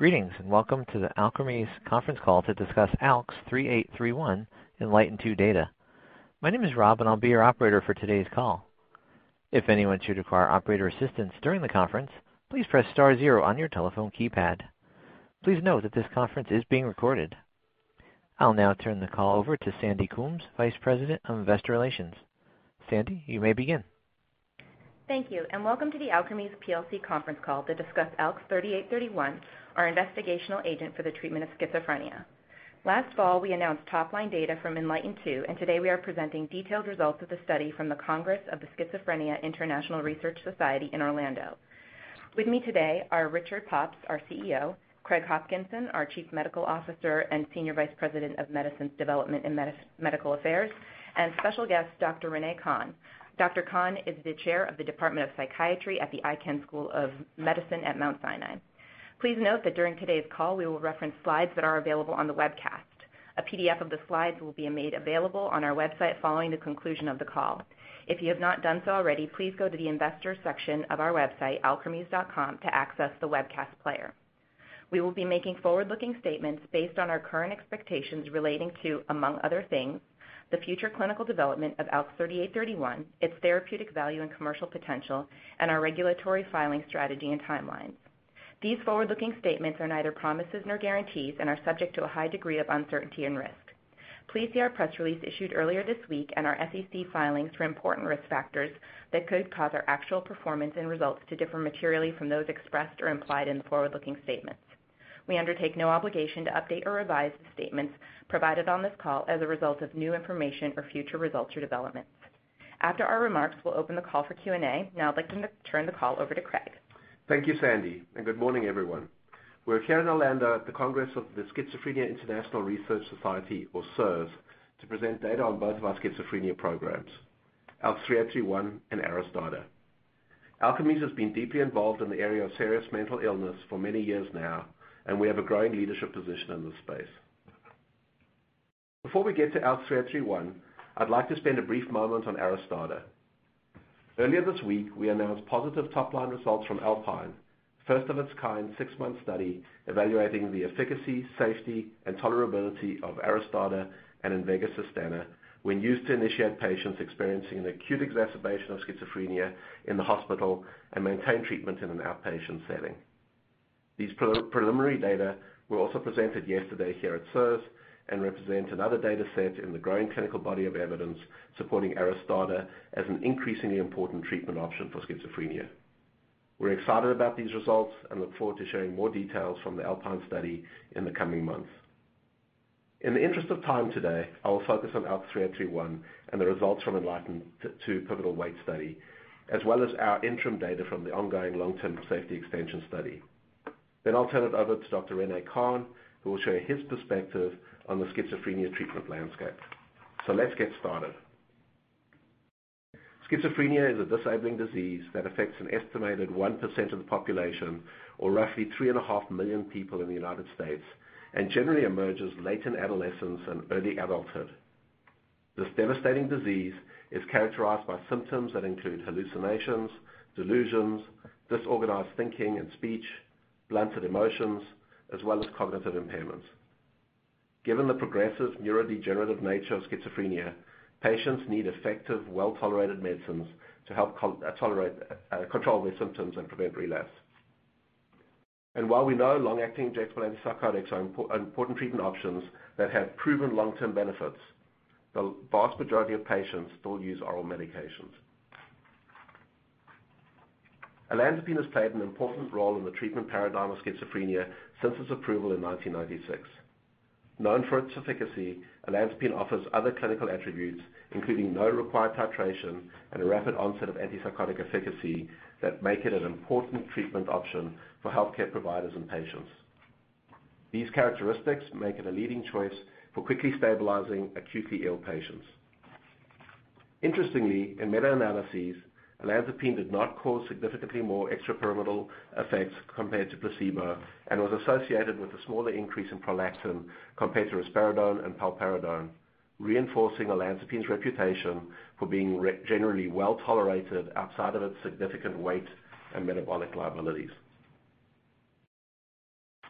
Greetings. Welcome to the Alkermes conference call to discuss ALKS 3831 ENLIGHTEN-2 data. My name is Rob. I'll be your operator for today's call. If anyone should require operator assistance during the conference, please press star zero on your telephone keypad. Please note that this conference is being recorded. I'll now turn the call over to Sandy Coombs, Vice President of Investor Relations. Sandy, you may begin. Thank you. Welcome to the Alkermes plc conference call to discuss ALKS 3831, our investigational agent for the treatment of schizophrenia. Last fall, we announced top line data from ENLIGHTEN-2, and today we are presenting detailed results of the study from the Congress of the Schizophrenia International Research Society in Orlando. With me today are Richard Pops, our CEO, Craig Hopkinson, our Chief Medical Officer and Senior Vice President of Medicines Development and Medical Affairs, and special guest, Dr. René Kahn. Dr. Kahn is the Chair of the Department of Psychiatry at the Icahn School of Medicine at Mount Sinai. Please note that during today's call, we will reference slides that are available on the webcast. A PDF of the slides will be made available on our website following the conclusion of the call. If you have not done so already, please go to the investor section of our website, alkermes.com, to access the webcast player. We will be making forward-looking statements based on our current expectations relating to, among other things, the future clinical development of ALKS 3831, its therapeutic value and commercial potential, and our regulatory filing strategy and timelines. These forward-looking statements are neither promises nor guarantees and are subject to a high degree of uncertainty and risk. Please see our press release issued earlier this week and our SEC filings for important risk factors that could cause our actual performance and results to differ materially from those expressed or implied in the forward-looking statements. We undertake no obligation to update or revise the statements provided on this call as a result of new information or future results or developments. After our remarks, we'll open the call for Q&A. I'd like them to turn the call over to Craig. Thank you, Sandy, and good morning, everyone. We're here in Orlando at the Congress of the Schizophrenia International Research Society, or SIRS, to present data on both of our schizophrenia programs, ALKS 3831 and ARISTADA. Alkermes has been deeply involved in the area of serious mental illness for many years now, and we have a growing leadership position in this space. Before we get to ALKS 3831, I'd like to spend a brief moment on ARISTADA. Earlier this week, we announced positive top-line results from ALPINE, first of its kind, 6-month study evaluating the efficacy, safety, and tolerability of ARISTADA and INVEGA SUSTENNA when used to initiate patients experiencing an acute exacerbation of schizophrenia in the hospital and maintain treatment in an outpatient setting. These preliminary data were also presented yesterday here at SIRS and represent another data set in the growing clinical body of evidence supporting ARISTADA as an increasingly important treatment option for schizophrenia. We're excited about these results and look forward to sharing more details from the ALPINE study in the coming months. In the interest of time today, I will focus on ALKS 3831 and the results from ENLIGHTEN-2 pivotal weight study, as well as our interim data from the ongoing long-term safety extension study. I'll turn it over to Dr. René Kahn, who will share his perspective on the schizophrenia treatment landscape. Let's get started. Schizophrenia is a disabling disease that affects an estimated 1% of the population or roughly 3.5 million people in the U.S. and generally emerges late in adolescence and early adulthood. This devastating disease is characterized by symptoms that include hallucinations, delusions, disorganized thinking and speech, blunted emotions, as well as cognitive impairments. Given the progressive neurodegenerative nature of schizophrenia, patients need effective, well-tolerated medicines to help control their symptoms and prevent relapse. While we know long-acting injectable antipsychotics are important treatment options that have proven long-term benefits, the vast majority of patients still use oral medications. olanzapine has played an important role in the treatment paradigm of schizophrenia since its approval in 1996. Known for its efficacy, olanzapine offers other clinical attributes, including no required titration and a rapid onset of antipsychotic efficacy that make it an important treatment option for healthcare providers and patients. These characteristics make it a leading choice for quickly stabilizing acutely ill patients. Interestingly, in meta-analyses, olanzapine did not cause significantly more extrapyramidal effects compared to placebo and was associated with a smaller increase in prolactin compared to risperidone and paliperidone, reinforcing olanzapine's reputation for being generally well-tolerated outside of its significant weight and metabolic liabilities.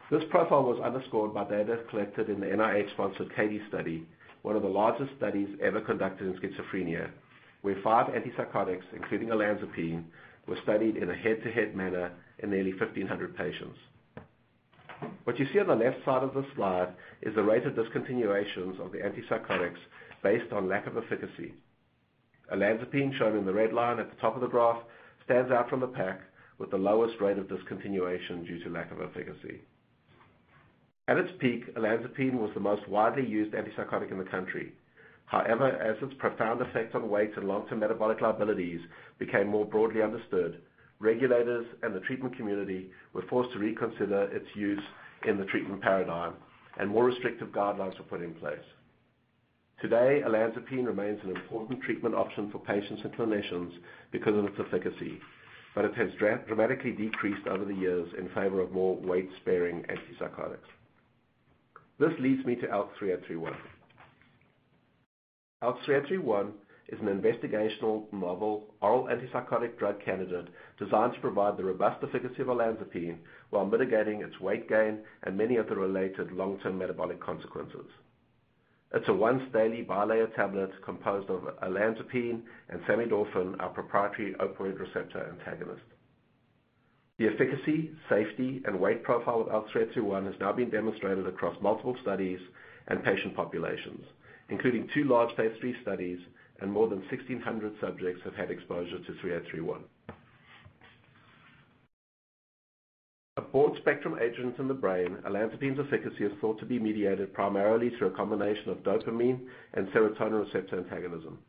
This profile was underscored by data collected in the NIH-sponsored CATIE study, one of the largest studies ever conducted in schizophrenia, where five antipsychotics, including olanzapine, were studied in a head-to-head manner in nearly 1,500 patients. What you see on the left side of this slide is the rate of discontinuations of the antipsychotics based on lack of efficacy. olanzapine, shown in the red line at the top of the graph, stands out from the pack with the lowest rate of discontinuation due to lack of efficacy. At its peak, olanzapine was the most widely used antipsychotic in the country. As its profound effect on weight and long-term metabolic liabilities became more broadly understood, regulators and the treatment community were forced to reconsider its use in the treatment paradigm and more restrictive guidelines were put in place. Today, olanzapine remains an important treatment option for patients and clinicians because of its efficacy, but it has dramatically decreased over the years in favor of more weight-sparing antipsychotics. This leads me to ALKS 3831. ALKS 3831 is an investigational novel oral antipsychotic drug candidate designed to provide the robust efficacy of olanzapine while mitigating its weight gain and many of the related long-term metabolic consequences. It's a once daily bilayer tablet composed of olanzapine and samidorphan, our proprietary opioid receptor antagonist. The efficacy, safety, and weight profile of ALKS 3831 has now been demonstrated across multiple studies and patient populations, including two large phase III studies, and more than 1,600 subjects have had exposure to 3831. A broad spectrum agent in the brain, olanzapine's efficacy is thought to be mediated primarily through a combination of dopamine and serotonin receptor antagonism.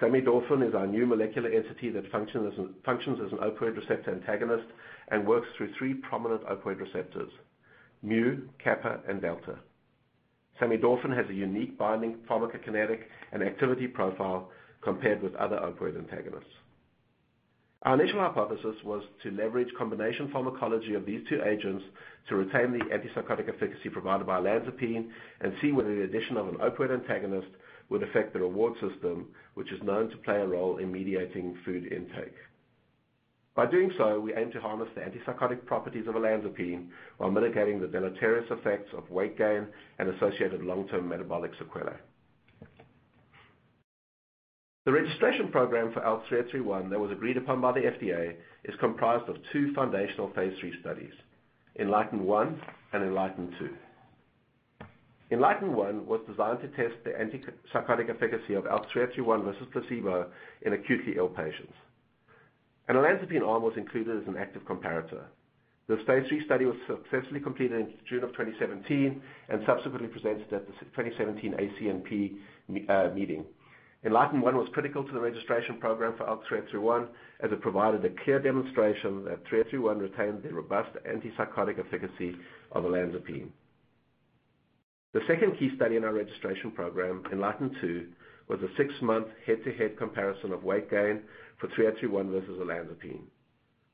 Samidorphan is our new molecular entity that functions as an opioid receptor antagonist and works through three prominent opioid receptors, mu, kappa, and delta. Samidorphan has a unique binding pharmacokinetic and activity profile compared with other opioid antagonists. Our initial hypothesis was to leverage combination pharmacology of these two agents to retain the antipsychotic efficacy provided by olanzapine and see whether the addition of an opioid antagonist would affect the reward system, which is known to play a role in mediating food intake. By doing so, we aim to harness the antipsychotic properties of olanzapine while mitigating the deleterious effects of weight gain and associated long-term metabolic sequelae. The registration program for ALKS 3831 that was agreed upon by the FDA is comprised of two foundational phase III studies, ENLIGHTEN-1 and ENLIGHTEN-2. ENLIGHTEN-1 was designed to test the antipsychotic efficacy of ALKS 3831 versus placebo in acutely ill patients. An olanzapine arm was included as an active comparator. The stage 3 study was successfully completed in June of 2017 and subsequently presented at the 2017 ACNP meeting. ENLIGHTEN-1 was critical to the registration program for ALKS 3831 as it provided a clear demonstration that 3831 retains the robust antipsychotic efficacy of olanzapine. The second key study in our registration program, ENLIGHTEN-2, was a six-month head-to-head comparison of weight gain for 3831 versus olanzapine.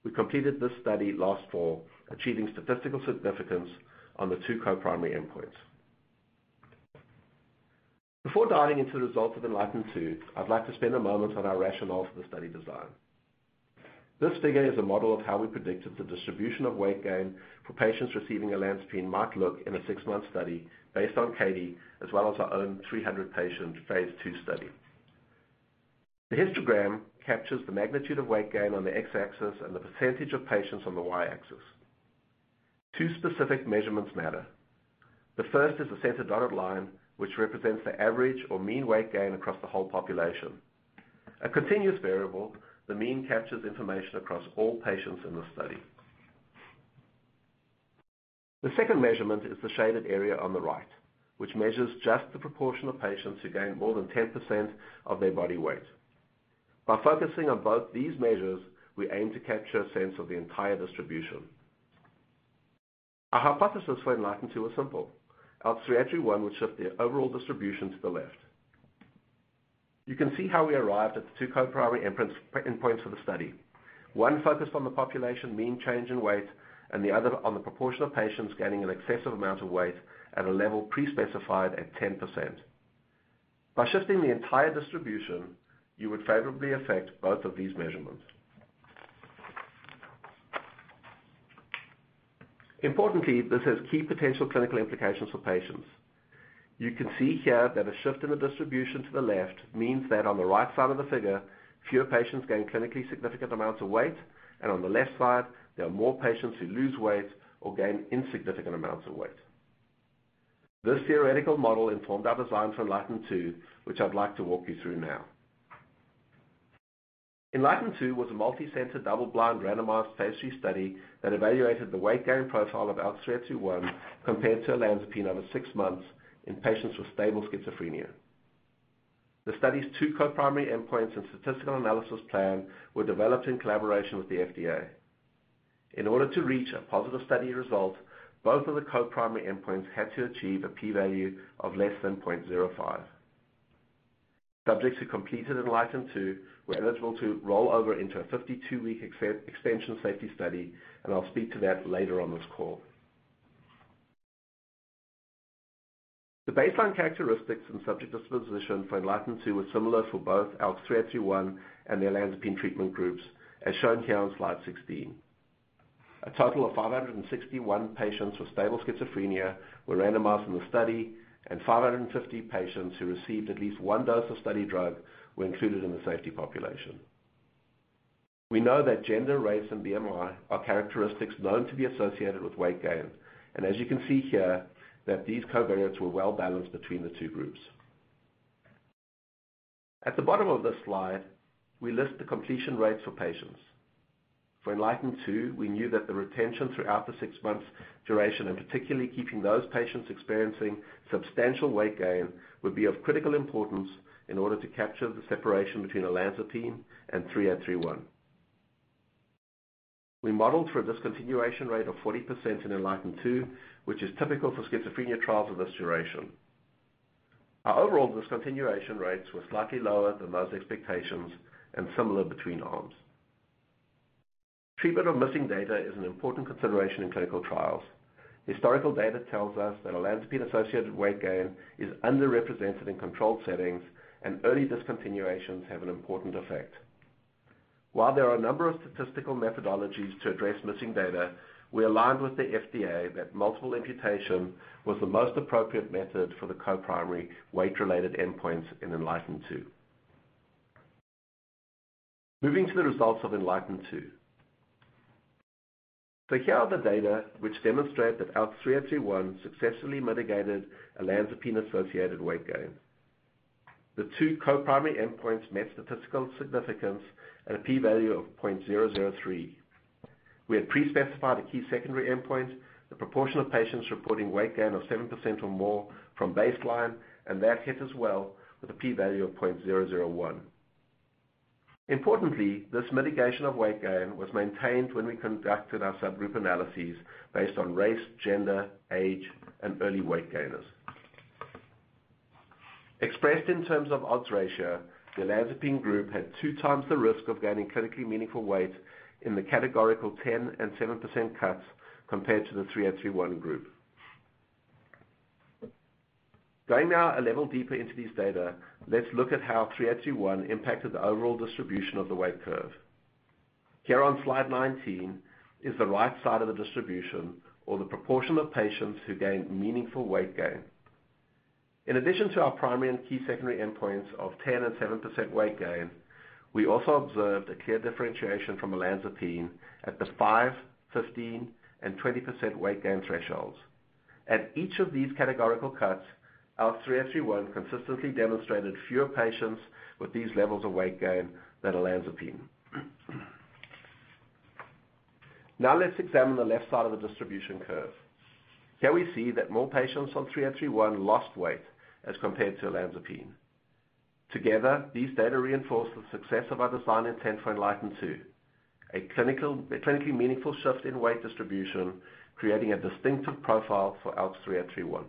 We completed this study last fall, achieving statistical significance on the two co-primary endpoints. Before diving into the results of ENLIGHTEN-2, I'd like to spend a moment on our rationale for the study design. This figure is a model of how we predicted the distribution of weight gain for patients receiving olanzapine might look in a six-month study based on CATIE as well as our own 300 patient phase II study. The histogram captures the magnitude of weight gain on the x-axis and the percentage of patients on the y-axis. Two specific measurements matter. The first is the center dotted line, which represents the average or mean weight gain across the whole population. A continuous variable, the mean captures information across all patients in the study. The second measurement is the shaded area on the right, which measures just the proportion of patients who gain more than 10% of their body weight. By focusing on both these measures, we aim to capture a sense of the entire distribution. Our hypothesis for ENLIGHTEN-2 was simple. ALKS 3831 would shift the overall distribution to the left. You can see how we arrived at the two co-primary endpoints for the study. One focused on the population mean change in weight and the other on the proportion of patients gaining an excessive amount of weight at a level pre-specified at 10%. By shifting the entire distribution, you would favorably affect both of these measurements. Importantly, this has key potential clinical implications for patients. You can see here that a shift in the distribution to the left means that on the right side of the figure, fewer patients gain clinically significant amounts of weight, and on the left side, there are more patients who lose weight or gain insignificant amounts of weight. This theoretical model informed our design for ENLIGHTEN-2, which I'd like to walk you through now. ENLIGHTEN-2 was a multi-center, double-blind, randomized, phase III study that evaluated the weight gain profile of ALKS 3831 compared to olanzapine over six months in patients with stable schizophrenia. The study's two co-primary endpoints and statistical analysis plan were developed in collaboration with the FDA. In order to reach a positive study result, both of the co-primary endpoints had to achieve a P value of less than 0.05. Subjects who completed ENLIGHTEN-2 were eligible to roll over into a 52-week extension safety study, and I'll speak to that later on this call. The baseline characteristics and subject disposition for ENLIGHTEN-2 were similar for both ALKS 3831 and the olanzapine treatment groups, as shown here on slide 16. A total of 561 patients with stable schizophrenia were randomized in the study, and 550 patients who received at least one dose of study drug were included in the safety population. We know that gender, race, and BMI are characteristics known to be associated with weight gain, and as you can see here that these covariates were well-balanced between the two groups. At the bottom of this slide, we list the completion rates for patients. For ENLIGHTEN-2, we knew that the retention throughout the six months duration, and particularly keeping those patients experiencing substantial weight gain, would be of critical importance in order to capture the separation between olanzapine and 3831. We modeled for a discontinuation rate of 40% in ENLIGHTEN-2, which is typical for schizophrenia trials of this duration. Our overall discontinuation rates were slightly lower than those expectations and similar between arms. Treatment of missing data is an important consideration in clinical trials. Historical data tells us that olanzapine-associated weight gain is underrepresented in controlled settings, and early discontinuations have an important effect. While there are a number of statistical methodologies to address missing data, we aligned with the FDA that multiple imputation was the most appropriate method for the co-primary weight-related endpoints in ENLIGHTEN-2. Moving to the results of ENLIGHTEN-2. Here are the data which demonstrate that ALKS 3831 successfully mitigated olanzapine-associated weight gain. The two co-primary endpoints met statistical significance at a p-value of 0.003. We had pre-specified a key secondary endpoint, the proportion of patients reporting weight gain of 7% or more from baseline, and that hit as well with a p-value of 0.001. Importantly, this mitigation of weight gain was maintained when we conducted our subgroup analyses based on race, gender, age, and early weight gainers. Expressed in terms of odds ratio, the olanzapine group had two times the risk of gaining clinically meaningful weight in the categorical 10% and 7% cuts compared to the 3831 group. Going now a level deeper into these data, let's look at how 3831 impacted the overall distribution of the weight curve. Here on slide 19 is the right side of the distribution or the proportion of patients who gained meaningful weight gain. In addition to our primary and key secondary endpoints of 10% and 7% weight gain, we also observed a clear differentiation from olanzapine at the 5%, 15% and 20% weight gain thresholds. At each of these categorical cuts, ALKS 3831 consistently demonstrated fewer patients with these levels of weight gain than olanzapine. Let's examine the left side of the distribution curve. Here we see that more patients on 3831 lost weight as compared to olanzapine. Together, these data reinforce the success of our design intent for ENLIGHTEN-2, a clinically meaningful shift in weight distribution, creating a distinctive profile for ALKS 3831.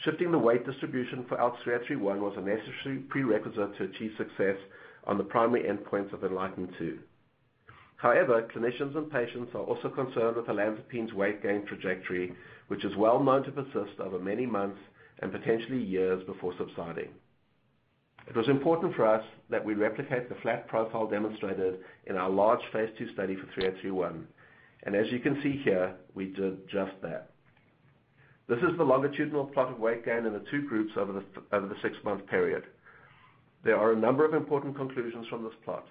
Shifting the weight distribution for ALKS 3831 was a necessary prerequisite to achieve success on the primary endpoints of ENLIGHTEN-2. Clinicians and patients are also concerned with olanzapine's weight gain trajectory, which is well known to persist over many months and potentially years before subsiding. It was important for us that we replicate the flat profile demonstrated in our large phase II study for 3831. As you can see here, we did just that. This is the longitudinal plot of weight gain in the two groups over the six-month period. There are a number of important conclusions from this plot.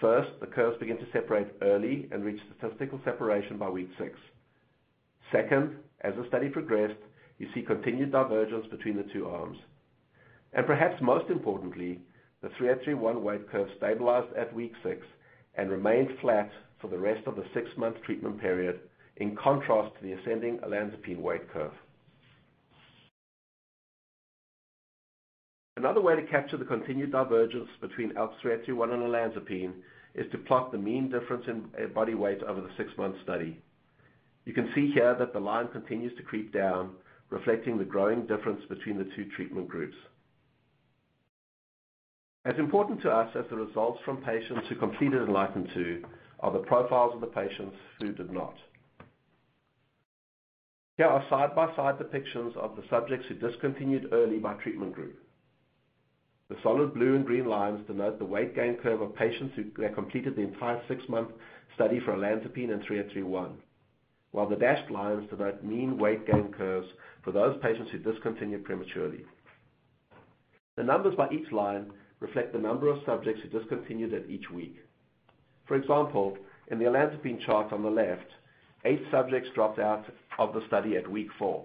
First, the curves begin to separate early and reach statistical separation by week six. Second, as the study progressed, you see continued divergence between the two arms. Perhaps most importantly, the 3831 weight curve stabilized at week six and remained flat for the rest of the six-month treatment period, in contrast to the ascending olanzapine weight curve. Another way to capture the continued divergence between ALKS 3831 and olanzapine is to plot the mean difference in body weight over the six-month study. You can see here that the line continues to creep down, reflecting the growing difference between the two treatment groups. As important to us as the results from patients who completed ENLIGHTEN-2 are the profiles of the patients who did not. Here are side-by-side depictions of the subjects who discontinued early by treatment group. The solid blue and green lines denote the weight gain curve of patients who completed the entire six-month study for olanzapine and 3831. While the dashed lines denote mean weight gain curves for those patients who discontinued prematurely. The numbers by each line reflect the number of subjects who discontinued at each week. For example, in the olanzapine chart on the left, eight subjects dropped out of the study at week 4.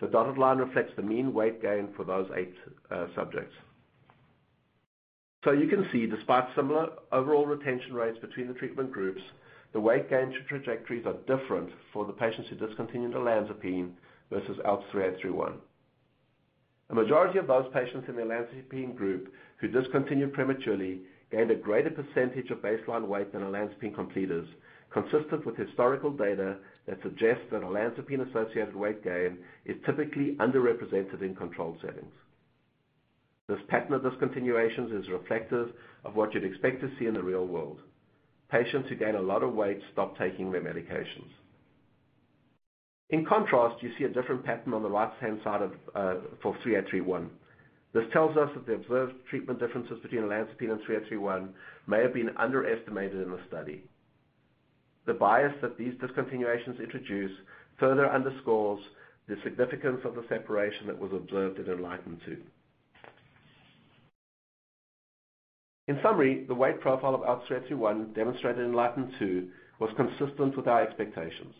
The dotted line reflects the mean weight gain for those eight subjects. You can see despite similar overall retention rates between the treatment groups, the weight gain trajectories are different for the patients who discontinued olanzapine versus ALKS 3831. The majority of those patients in the olanzapine group who discontinued prematurely gained a greater percentage of baseline weight than olanzapine completers consistent with historical data that suggests that olanzapine-associated weight gain is typically underrepresented in controlled settings. This pattern of discontinuations is reflective of what you'd expect to see in the real world. Patients who gain a lot of weight stop taking their medications. In contrast, you see a different pattern on the right-hand side for 3831. This tells us that the observed treatment differences between olanzapine and 3831 may have been underestimated in the study. The bias that these discontinuations introduce further underscores the significance of the separation that was observed in ENLIGHTEN-2. In summary, the weight profile of ALKS 3831 demonstrated in ENLIGHTEN-2 was consistent with our expectations.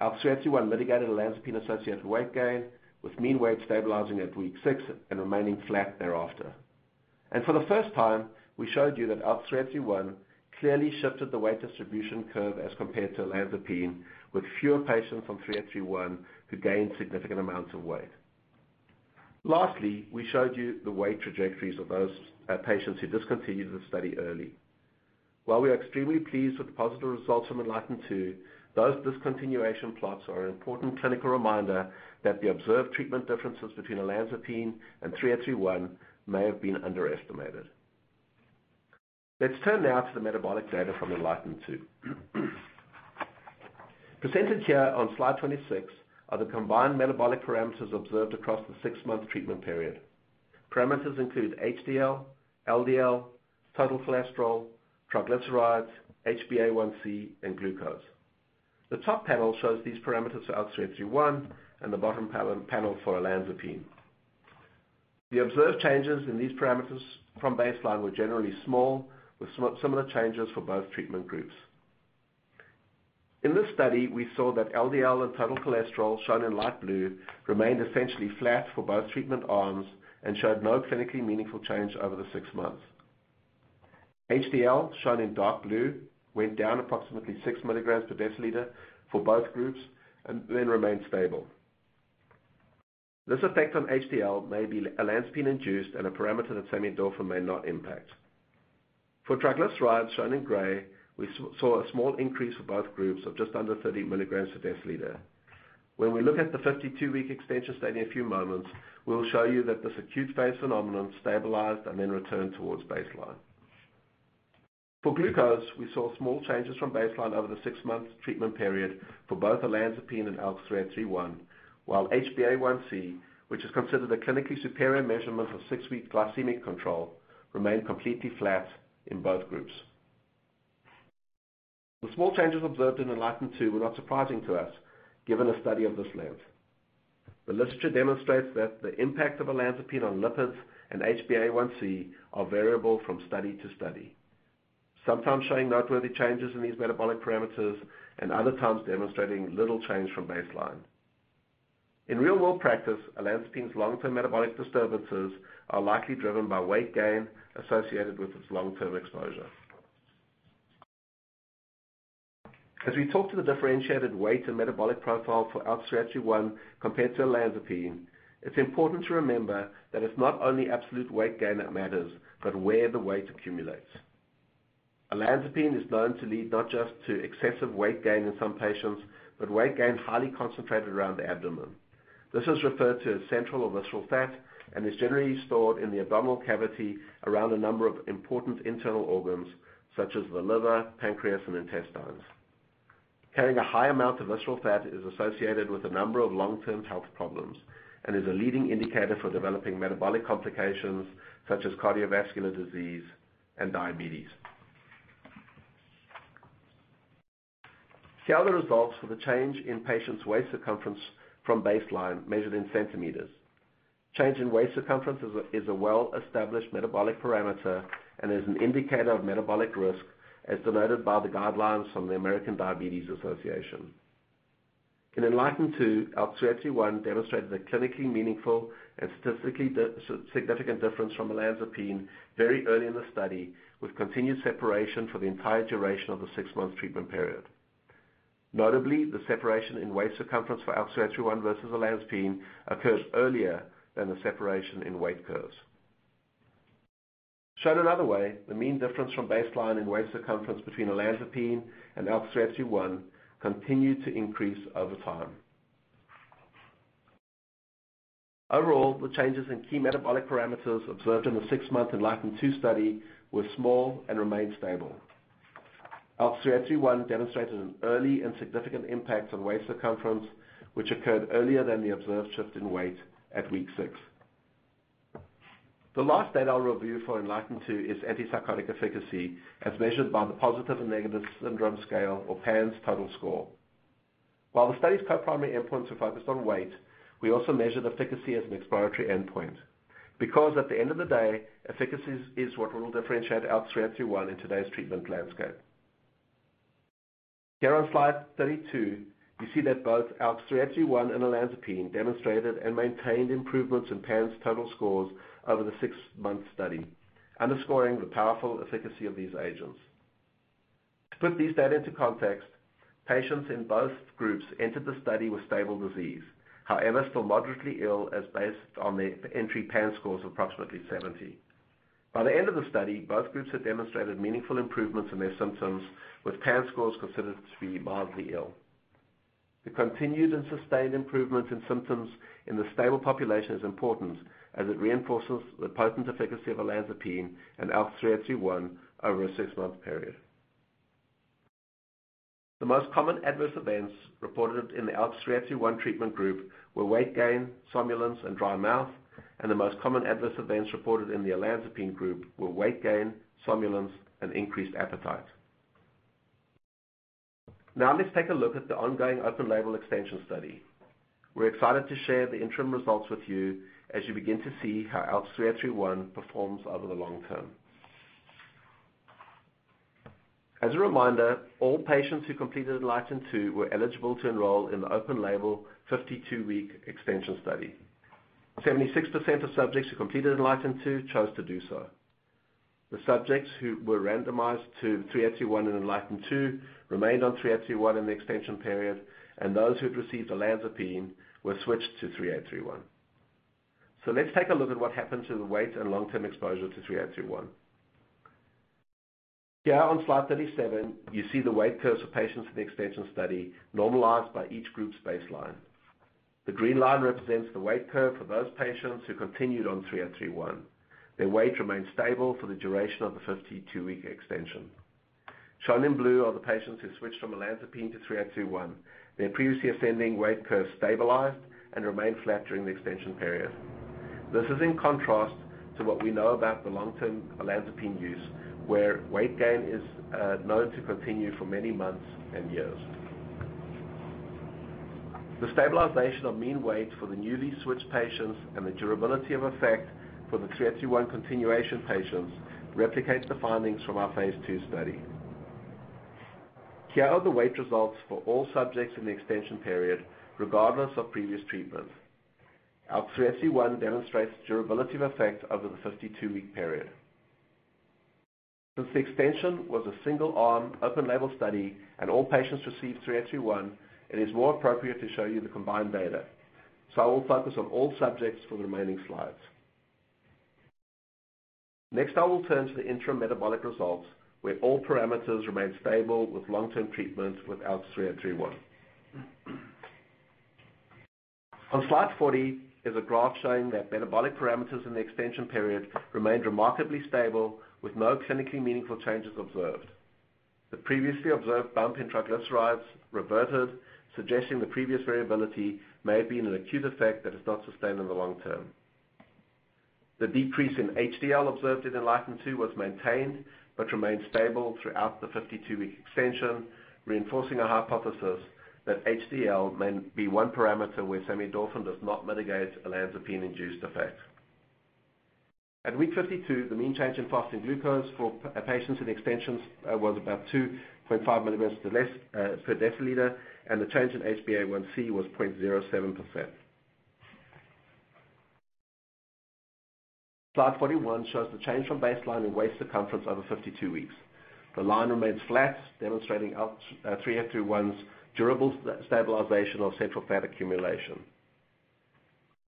ALKS 3831 mitigated olanzapine-associated weight gain with mean weight stabilizing at week 6 and remaining flat thereafter. For the first time, we showed you that ALKS 3831 clearly shifted the weight distribution curve as compared to olanzapine with fewer patients on 3831 who gained significant amounts of weight. Lastly, we showed you the weight trajectories of those patients who discontinued the study early. While we are extremely pleased with the positive results from ENLIGHTEN-2, those discontinuation plots are an important clinical reminder that the observed treatment differences between olanzapine and 3831 may have been underestimated. Let's turn now to the metabolic data from ENLIGHTEN-2. Presented here on slide 26 are the combined metabolic parameters observed across the 6-month treatment period. Parameters include HDL, LDL, total cholesterol, triglycerides, HbA1c, and glucose. The top panel shows these parameters for ALKS 3831 and the bottom panel for olanzapine. The observed changes in these parameters from baseline were generally small, with similar changes for both treatment groups. In this study, we saw that LDL and total cholesterol, shown in light blue, remained essentially flat for both treatment arms and showed no clinically meaningful change over the 6 months. HDL, shown in dark blue, went down approximately 6 milligrams per deciliter for both groups and then remained stable. This effect on HDL may be olanzapine induced and a parameter that samidorphan may not impact. For triglycerides, shown in gray, we saw a small increase for both groups of just under 30 milligrams per deciliter. When we look at the 52-week extension study in a few moments, we will show you that this acute phase phenomenon stabilized and then returned towards baseline. For glucose, we saw small changes from baseline over the 6 months treatment period for both olanzapine and ALKS 3831, while HbA1c, which is considered a clinically superior measurement of 6-week glycemic control, remained completely flat in both groups. The small changes observed in ENLIGHTEN-2 were not surprising to us given the study of this length. The literature demonstrates that the impact of olanzapine on lipids and HbA1c are variable from study to study, sometimes showing noteworthy changes in these metabolic parameters and other times demonstrating little change from baseline. In real-world practice, olanzapine's long-term metabolic disturbances are likely driven by weight gain associated with its long-term exposure. As we talk to the differentiated weight and metabolic profile for ALKS 3831 compared to olanzapine, it's important to remember that it's not only absolute weight gain that matters, but where the weight accumulates. Olanzapine is known to lead not just to excessive weight gain in some patients, but weight gain highly concentrated around the abdomen. This is referred to as central or visceral fat and is generally stored in the abdominal cavity around a number of important internal organs such as the liver, pancreas, and intestines. Carrying a high amount of visceral fat is associated with a number of long-term health problems and is a leading indicator for developing metabolic complications such as cardiovascular disease and diabetes. See how the results for the change in patients' waist circumference from baseline measured in centimeters. Change in waist circumference is a well-established metabolic parameter and is an indicator of metabolic risk as denoted by the guidelines from the American Diabetes Association. In ENLIGHTEN-2, ALKS 3831 demonstrated a clinically meaningful and statistically significant difference from olanzapine very early in the study, with continued separation for the entire duration of the six-month treatment period. Notably, the separation in waist circumference for ALKS 3831 versus olanzapine occurs earlier than the separation in weight curves. Shown another way, the mean difference from baseline and waist circumference between olanzapine and ALKS 3831 continued to increase over time. Overall, the changes in key metabolic parameters observed in the six-month ENLIGHTEN-2 study were small and remained stable. ALKS 3831 demonstrated an early and significant impact on waist circumference, which occurred earlier than the observed shift in weight at week six. The last data I'll review for ENLIGHTEN-2 is antipsychotic efficacy as measured by the Positive and Negative Syndrome Scale, or PANSS total score. While the study's co-primary endpoints are focused on weight, we also measured efficacy as an exploratory endpoint because at the end of the day, efficacy is what will differentiate ALKS 3831 in today's treatment landscape. Here on slide 32, you see that both ALKS 3831 and olanzapine demonstrated and maintained improvements in PANSS total scores over the six-month study, underscoring the powerful efficacy of these agents. To put these data into context, patients in both groups entered the study with stable disease, however, still moderately ill as based on the entry PANSS scores of approximately 70. By the end of the study, both groups had demonstrated meaningful improvements in their symptoms with PANSS scores considered to be mildly ill. The continued and sustained improvements in symptoms in the stable population is important as it reinforces the potent efficacy of olanzapine and ALKS 3831 over a six-month period. The most common adverse events reported in the ALKS 3831 treatment group were weight gain, somnolence, and dry mouth, and the most common adverse events reported in the olanzapine group were weight gain, somnolence, and increased appetite. Now let's take a look at the ongoing open label extension study. We're excited to share the interim results with you as you begin to see how ALKS 3831 performs over the long term. As a reminder, all patients who completed ENLIGHTEN-2 were eligible to enroll in the open label 52-week extension study. 76% of subjects who completed ENLIGHTEN-2 chose to do so. The subjects who were randomized to 3831 in ENLIGHTEN-2 remained on 3831 in the extension period, and those who'd received olanzapine were switched to 3831. Let's take a look at what happened to the weight and long-term exposure to 3831. Here on slide 37, you see the weight curves of patients in the extension study normalized by each group's baseline. The green line represents the weight curve for those patients who continued on 3831. Their weight remained stable for the duration of the 52-week extension. Shown in blue are the patients who switched from olanzapine to 3831. Their previously ascending weight curve stabilized and remained flat during the extension period. This is in contrast to what we know about the long-term olanzapine use, where weight gain is known to continue for many months and years. The stabilization of mean weight for the newly switched patients and the durability of effect for the 3831 continuation patients replicates the findings from our phase II study. Here are the weight results for all subjects in the extension period, regardless of previous treatment. ALKS 3831 demonstrates durability of effect over the 52-week period. Since the extension was a single arm, open label study and all patients received 3831, it is more appropriate to show you the combined data. I will focus on all subjects for the remaining slides. Next, I will turn to the interim metabolic results, where all parameters remained stable with long-term treatment with ALKS 3831. On slide 40 is a graph showing that metabolic parameters in the extension period remained remarkably stable with no clinically meaningful changes observed. The previously observed bump in triglycerides reverted, suggesting the previous variability may have been an acute effect that is not sustained in the long term. The decrease in HDL observed in ENLIGHTEN-2 was maintained but remained stable throughout the 52-week extension, reinforcing a hypothesis that HDL may be one parameter where samidorphan does not mitigate olanzapine-induced effects. At week 52, the mean change in fasting glucose for patients in extensions was about 2.5 milligrams less per deciliter, and the change in HbA1c was 0.07%. Slide 41 shows the change from baseline in waist circumference over 52 weeks. The line remains flat, demonstrating ALKS 3831's durable stabilization of central fat accumulation.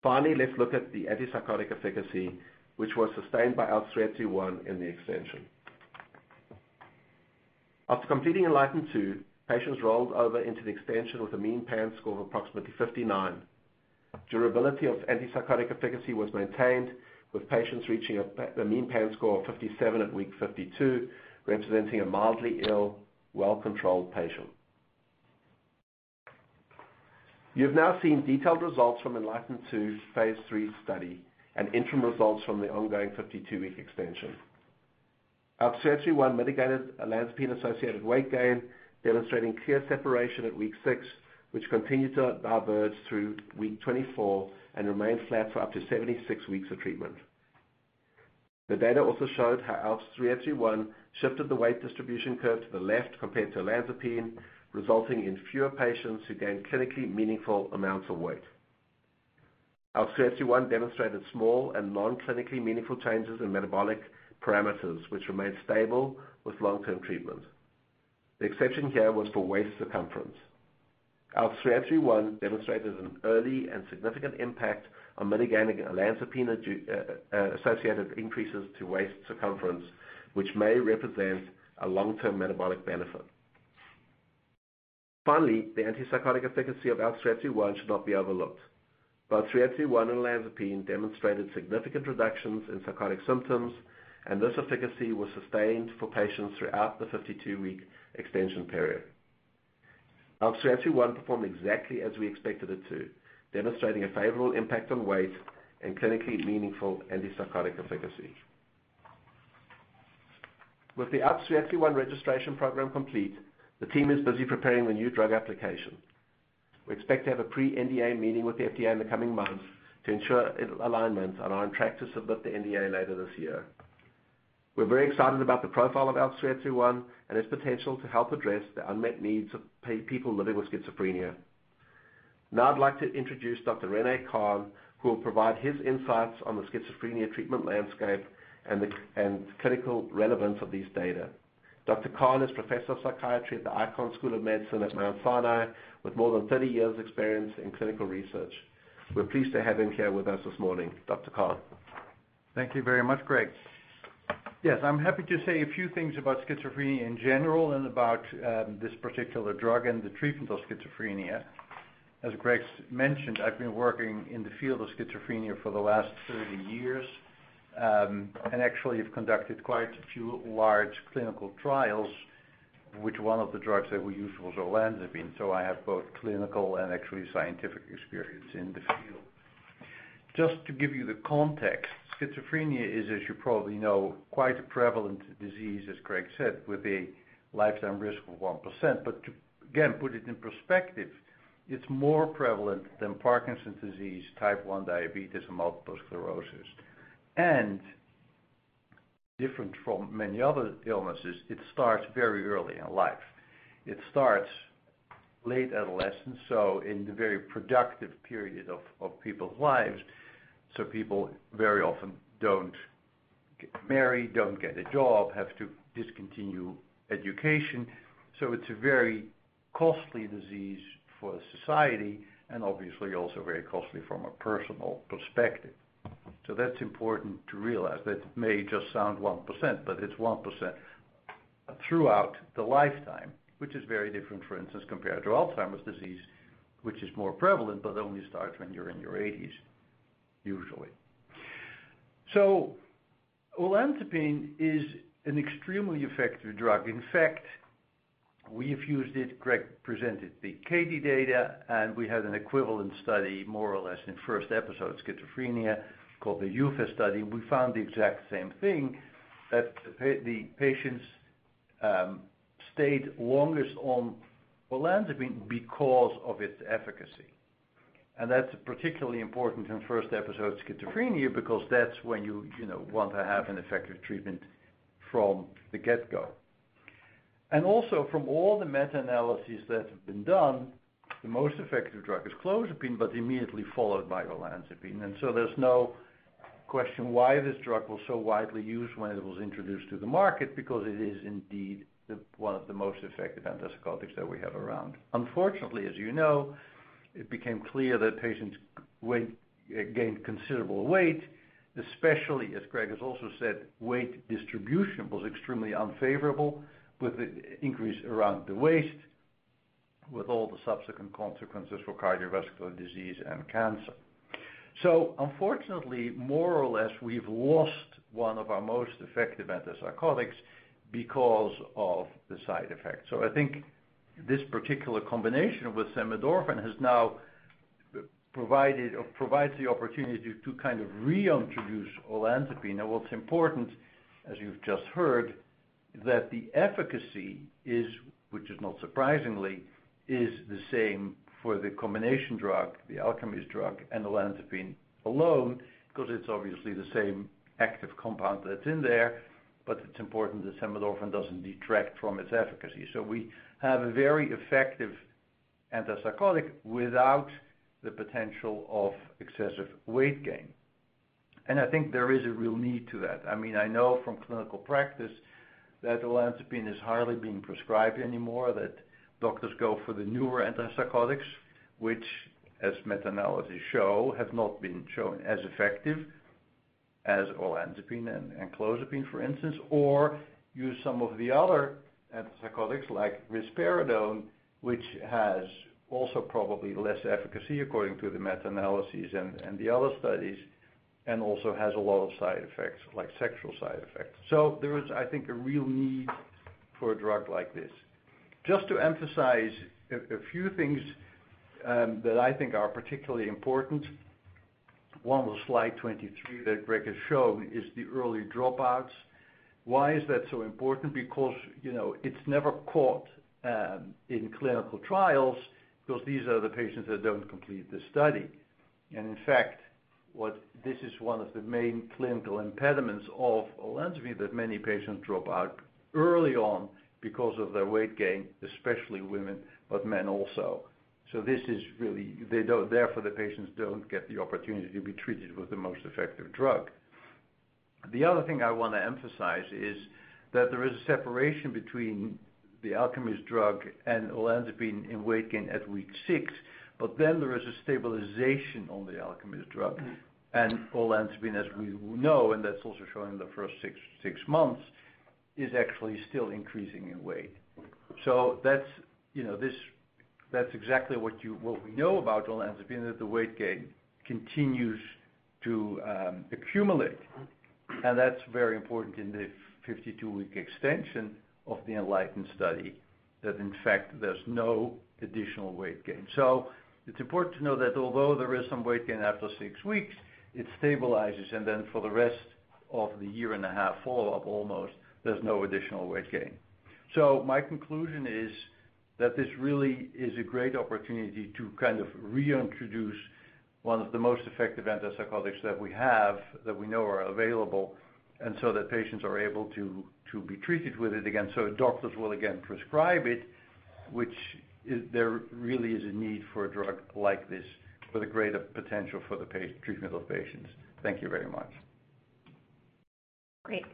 Finally, let's look at the antipsychotic efficacy, which was sustained by ALKS 3831 in the extension. After completing ENLIGHTEN-2, patients rolled over into the extension with a mean PANSS score of approximately 59. Durability of antipsychotic efficacy was maintained, with patients reaching a mean PANSS score of 57 at week 52, representing a mildly ill, well-controlled patient. You have now seen detailed results from ENLIGHTEN-2 phase III study and interim results from the ongoing 52-week extension. ALKS 3831 mitigated olanzapine-associated weight gain, demonstrating clear separation at week six, which continued to diverge through week 24 and remained flat for up to 76 weeks of treatment. The data also showed how ALKS 3831 shifted the weight distribution curve to the left compared to olanzapine, resulting in fewer patients who gained clinically meaningful amounts of weight. ALKS 3831 demonstrated small and non-clinically meaningful changes in metabolic parameters, which remained stable with long-term treatment. The exception here was for waist circumference. ALKS 3831 demonstrated an early and significant impact on mitigating olanzapine-associated increases to waist circumference, which may represent a long-term metabolic benefit. Finally, the antipsychotic efficacy of ALKS 3831 should not be overlooked. Both ALKS 3831 and olanzapine demonstrated significant reductions in psychotic symptoms, and this efficacy was sustained for patients throughout the 52-week extension period. ALKS 3831 performed exactly as we expected it to, demonstrating a favorable impact on weight and clinically meaningful antipsychotic efficacy. With the ALKS 3831 registration program complete, the team is busy preparing the New Drug Application. We expect to have a pre-NDA meeting with the FDA in the coming months to ensure alignment and are on track to submit the NDA later this year. We're very excited about the profile of ALKS 3831 and its potential to help address the unmet needs of people living with schizophrenia. Now I'd like to introduce Dr. René S. Kahn, who will provide his insights on the schizophrenia treatment landscape and the clinical relevance of these data. Dr. Kahn is Professor of Psychiatry at the Icahn School of Medicine at Mount Sinai with more than 30 years experience in clinical research. We're pleased to have him here with us this morning. Dr. Kahn. Thank you very much, Craig. I'm happy to say a few things about schizophrenia in general and about this particular drug and the treatment of schizophrenia. As Craig mentioned, I've been working in the field of schizophrenia for the last 30 years, and actually have conducted quite a few large clinical trials, which one of the drugs that we used was olanzapine, so I have both clinical and actually scientific experience in the field. Just to give you the context, schizophrenia is, as you probably know, quite a prevalent disease, as Craig said, with a lifetime risk of 1%. But to, again, put it in perspective, it's more prevalent than Parkinson's disease, type 1 diabetes, and multiple sclerosis. And different from many other illnesses, it starts very early in life. It starts late adolescence, in the very productive period of people's lives. People very often don't get married, don't get a job, have to discontinue education. It's a very costly disease for society and obviously also very costly from a personal perspective. That's important to realize. That may just sound 1%, but it's 1% throughout the lifetime, which is very different, for instance, compared to Alzheimer's disease, which is more prevalent but only starts when you're in your 80s, usually. Olanzapine is an extremely effective drug. In fact, we have used it. Craig presented the CATIE data, and we had an equivalent study, more or less, in first-episode schizophrenia called the EUFEST study. We found the exact same thing, that the patients stayed longest on olanzapine because of its efficacy. And that's particularly important in first-episode schizophrenia because that's when you want to have an effective treatment from the get-go. Also from all the meta-analyses that have been done, the most effective drug is clozapine, but immediately followed by olanzapine. There's no question why this drug was so widely used when it was introduced to the market because it is indeed one of the most effective antipsychotics that we have around. Unfortunately, as you know, it became clear that patients gained considerable weight, especially as Craig has also said, weight distribution was extremely unfavorable with the increase around the waist, with all the subsequent consequences for cardiovascular disease and cancer. Unfortunately, more or less, we've lost one of our most effective antipsychotics because of the side effects. I think this particular combination with samidorphan has now provided or provides the opportunity to kind of reintroduce olanzapine. What's important, as you've just heard, that the efficacy is, which is not surprisingly, is the same for the combination drug, the Alkermes drug, and olanzapine alone, because it's obviously the same active compound that's in there, but it's important that samidorphan doesn't detract from its efficacy. We have a very effective antipsychotic without the potential of excessive weight gain. I think there is a real need for that. I know from clinical practice that olanzapine is hardly being prescribed anymore, that doctors go for the newer antipsychotics, which as meta-analyses show, have not been shown as effective as olanzapine and clozapine, for instance, or use some of the other antipsychotics like risperidone, which has also probably less efficacy according to the meta-analyses and the other studies, and also has a lot of side effects like sexual side effects. There is, I think, a real need for a drug like this. Just to emphasize a few things that I think are particularly important. One was slide 23 that Craig has shown is the early dropouts. Why is that so important? It's never caught in clinical trials because these are the patients that don't complete the study. In fact, this is one of the main clinical impediments of olanzapine that many patients drop out early on because of their weight gain, especially women, but men also. Therefore, the patients don't get the opportunity to be treated with the most effective drug. The other thing I want to emphasize is that there is a separation between the Alkermes drug and olanzapine in weight gain at week six, but then there is a stabilization on the Alkermes drug and olanzapine, as we know, and that's also shown in the first six months, is actually still increasing in weight. That's exactly what we know about olanzapine, that the weight gain continues to accumulate. That's very important in the 52-week extension of the ENLIGHTEN study that in fact there's no additional weight gain. It's important to know that although there is some weight gain after six weeks, it stabilizes, and then for the rest of the year and a half follow-up almost, there's no additional weight gain. My conclusion is that this really is a great opportunity to kind of reintroduce one of the most effective antipsychotics that we have, that we know are available, and so that patients are able to be treated with it again so doctors will again prescribe it, which there really is a need for a drug like this for the greater potential for the treatment of patients. Thank you very much. Great.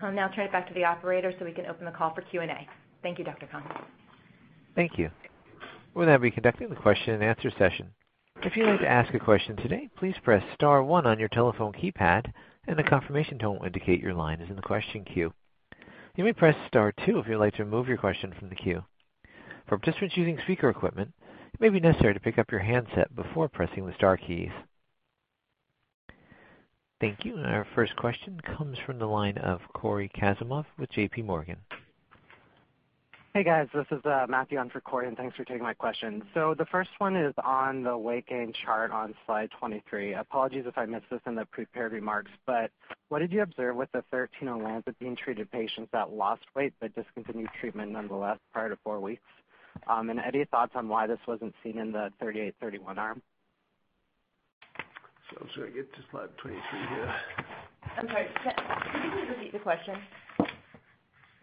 I'll now turn it back to the operator so we can open the call for Q&A. Thank you, Dr. Kahn. Thank you. We'll now be conducting the question and answer session. If you'd like to ask a question today, please press star one on your telephone keypad and a confirmation tone will indicate your line is in the question queue. You may press star two if you'd like to remove your question from the queue. For participants using speaker equipment, it may be necessary to pick up your handset before pressing the star keys. Thank you. Our first question comes from the line of Cory Kasimov with JPMorgan. Hey, guys. This is Matthew on for Cory, and thanks for taking my question. The first one is on the weight gain chart on slide 23. Apologies if I missed this in the prepared remarks, but what did you observe with the 13 olanzapine-treated patients that lost weight but discontinued treatment nonetheless prior to four weeks? Any thoughts on why this wasn't seen in the 3831 arm? I'm just going to get to slide 23 here. I'm sorry. Could you please repeat the question?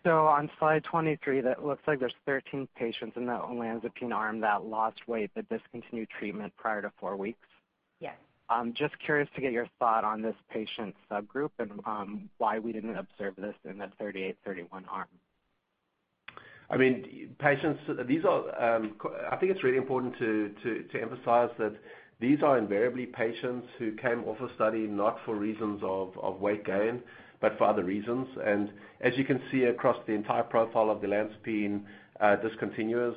On slide 23, that looks like there's 13 patients in the olanzapine arm that lost weight but discontinued treatment prior to four weeks. Yes. Just curious to get your thought on this patient subgroup and why we didn't observe this in the 3831 arm. I think it's really important to emphasize that these are invariably patients who came off a study not for reasons of weight gain, but for other reasons. As you can see across the entire profile of the olanzapine discontinuers,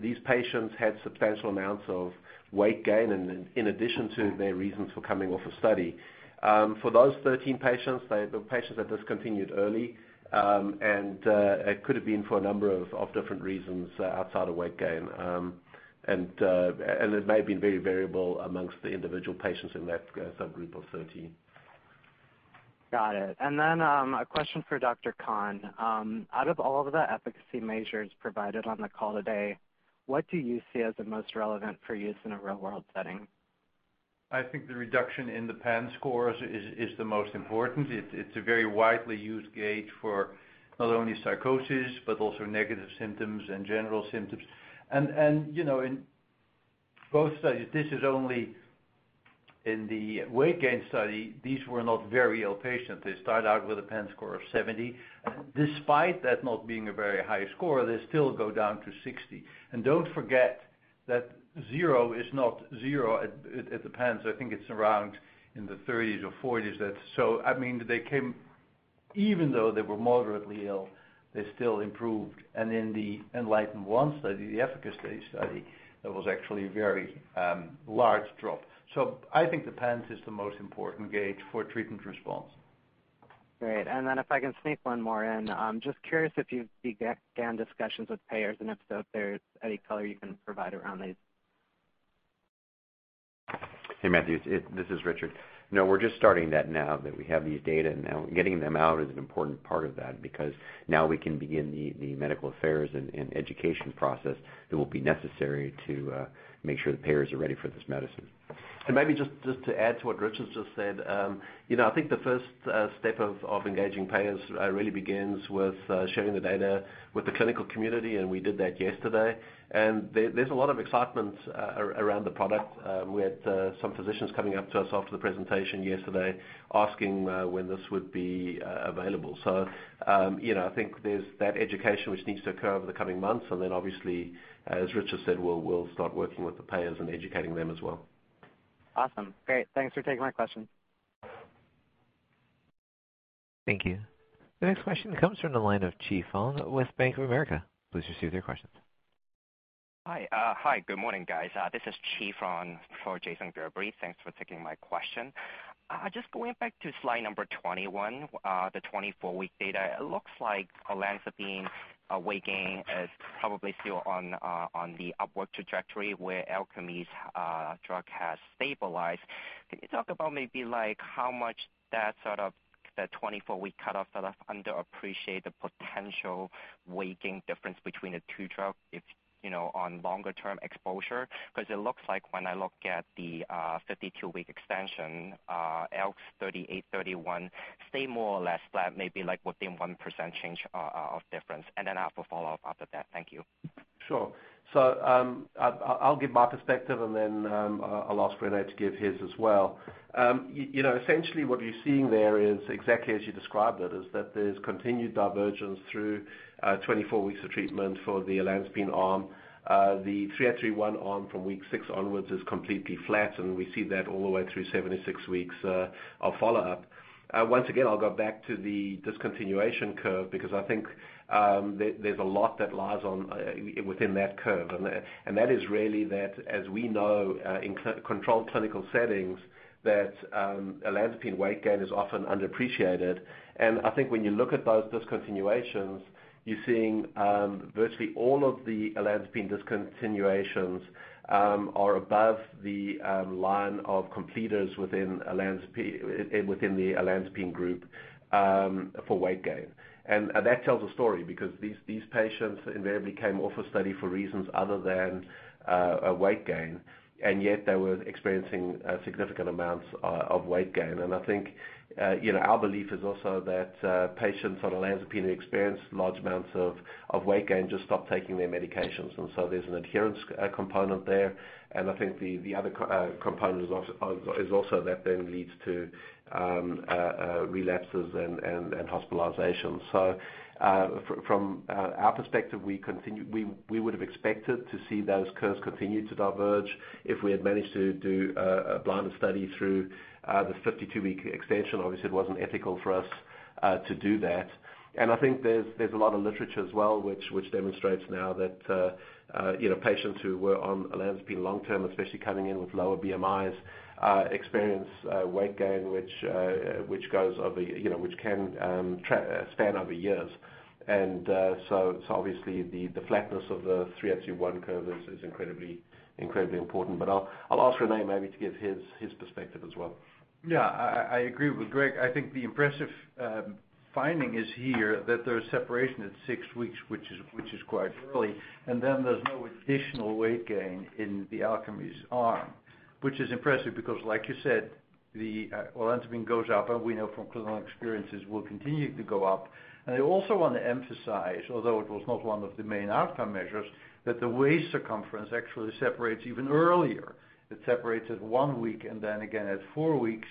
these patients had substantial amounts of weight gain in addition to their reasons for coming off a study. For those 13 patients, the patients that discontinued early, it could have been for a number of different reasons outside of weight gain. It may have been very variable amongst the individual patients in that subgroup of 13. Got it. A question for Dr. Kahn. Out of all of the efficacy measures provided on the call today, what do you see as the most relevant for use in a real-world setting? I think the reduction in the PANSS scores is the most important. It's a very widely used gauge for not only psychosis, but also negative symptoms and general symptoms. In both studies, this is only in the weight gain study, these were not very ill patients. They start out with a PANSS score of 70. Despite that not being a very high score, they still go down to 60. Don't forget that zero is not zero at the PANSS. I think it's around in the 30s or 40s. Even though they were moderately ill, they still improved. In the ENLIGHTEN-1 study, the efficacy study, there was actually a very large drop. I think the PANSS is the most important gauge for treatment response. Great. If I can sneak one more in. Just curious if you've began discussions with payers, and if so, if there's any color you can provide around these. Hey, Matthew, this is Richard. No, we're just starting that now that we have these data. Now getting them out is an important part of that because now we can begin the medical affairs and education process that will be necessary to make sure the payers are ready for this medicine. Maybe just to add to what Richard's just said. I think the first step of engaging payers really begins with sharing the data with the clinical community, and we did that yesterday. There's a lot of excitement around the product. We had some physicians coming up to us after the presentation yesterday asking when this would be available. I think there's that education which needs to occur over the coming months. Then obviously, as Richard said, we'll start working with the payers and educating them as well. Awesome. Great. Thanks for taking my question. Thank you. The next question comes from the line of Chi Fong with Bank of America. Please proceed with your questions. Hi. Good morning, guys. This is Chi Fong for Jason Gerberry. Thanks for taking my question. Just going back to slide number 21, the 24-week data. It looks like olanzapine weight gain is probably still on the upward trajectory where Alkermes drug has stabilized. Can you talk about maybe how much that 24-week cutoff underappreciate the potential weight gain difference between the two drugs on longer term exposure? It looks like when I look at the 52-week extension, ALKS 3831 stay more or less flat, maybe within 1% change of difference. I have a follow-up after that. Thank you. Sure. I'll give my perspective and then I'll ask René to give his as well. Essentially what you're seeing there is exactly as you described it, is that there's continued divergence through 24 weeks of treatment for the olanzapine arm. The 3831 arm from week six onwards is completely flat, and we see that all the way through 76 weeks of follow-up. Once again, I'll go back to the discontinuation curve because I think there's a lot that lies within that curve. That is really that, as we know in controlled clinical settings, that olanzapine weight gain is often underappreciated. I think when you look at those discontinuations, you're seeing virtually all of the olanzapine discontinuations are above the line of completers within the olanzapine group for weight gain. That tells a story because these patients invariably came off a study for reasons other than weight gain, and yet they were experiencing significant amounts of weight gain. I think our belief is also that patients on olanzapine who experience large amounts of weight gain just stop taking their medications. There's an adherence component there. I think the other component is also that then leads to relapses and hospitalizations. From our perspective, we would have expected to see those curves continue to diverge if we had managed to do a blinded study through the 52-week extension. Obviously, it wasn't ethical for us to do that. I think there's a lot of literature as well which demonstrates now that patients who were on olanzapine long-term, especially coming in with lower BMIs, experience weight gain which can span over years. Obviously the flatness of the 3831 curve is incredibly important. I'll ask René maybe to give his perspective as well. I agree with Craig. I think the impressive finding is here that there is separation at six weeks, which is quite early, and then there is no additional weight gain in the Alkermes arm. Which is impressive because like you said, the olanzapine goes up, and we know from clinical experiences will continue to go up. I also want to emphasize, although it was not one of the main outcome measures, that the waist circumference actually separates even earlier. It separates at one week and then again at four weeks.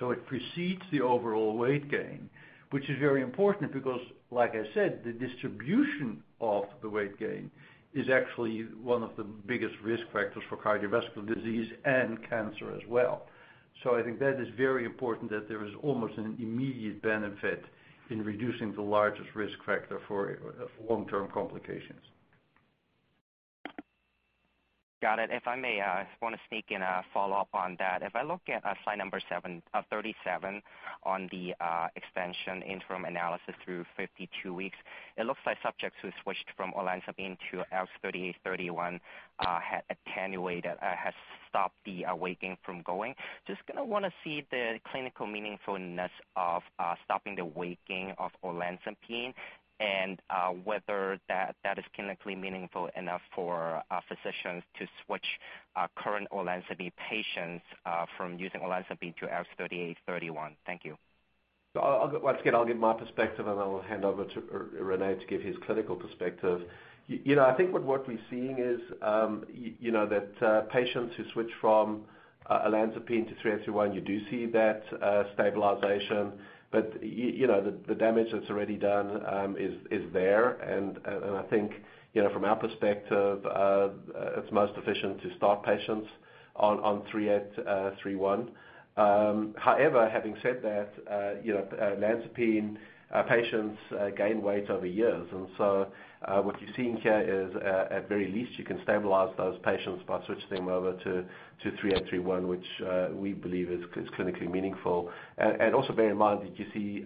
So it precedes the overall weight gain, which is very important because, like I said, the distribution of the weight gain is actually one of the biggest risk factors for cardiovascular disease and cancer as well. I think that is very important that there is almost an immediate benefit in reducing the largest risk factor for long-term complications. Got it. If I may, I just want to sneak in a follow-up on that. If I look at slide number 37 on the expansion interim analysis through 52 weeks, it looks like subjects who switched from olanzapine to ALKS 3831 had attenuated or have stopped the weight gain from going. Just going to want to see the clinical meaningfulness of stopping the weight gain of olanzapine and whether that is clinically meaningful enough for physicians to switch current olanzapine patients from using olanzapine to ALKS 3831. Thank you. Once again, I will give my perspective, I will hand over to René to give his clinical perspective. I think what we are seeing is that patients who switch from olanzapine to 3831, you do see that stabilization. The damage that is already done is there. I think from our perspective, it is most efficient to start patients on 3831. However, having said that, olanzapine patients gain weight over years. So what you are seeing here is, at very least, you can stabilize those patients by switching them over to 3831, which we believe is clinically meaningful. Also bear in mind that you see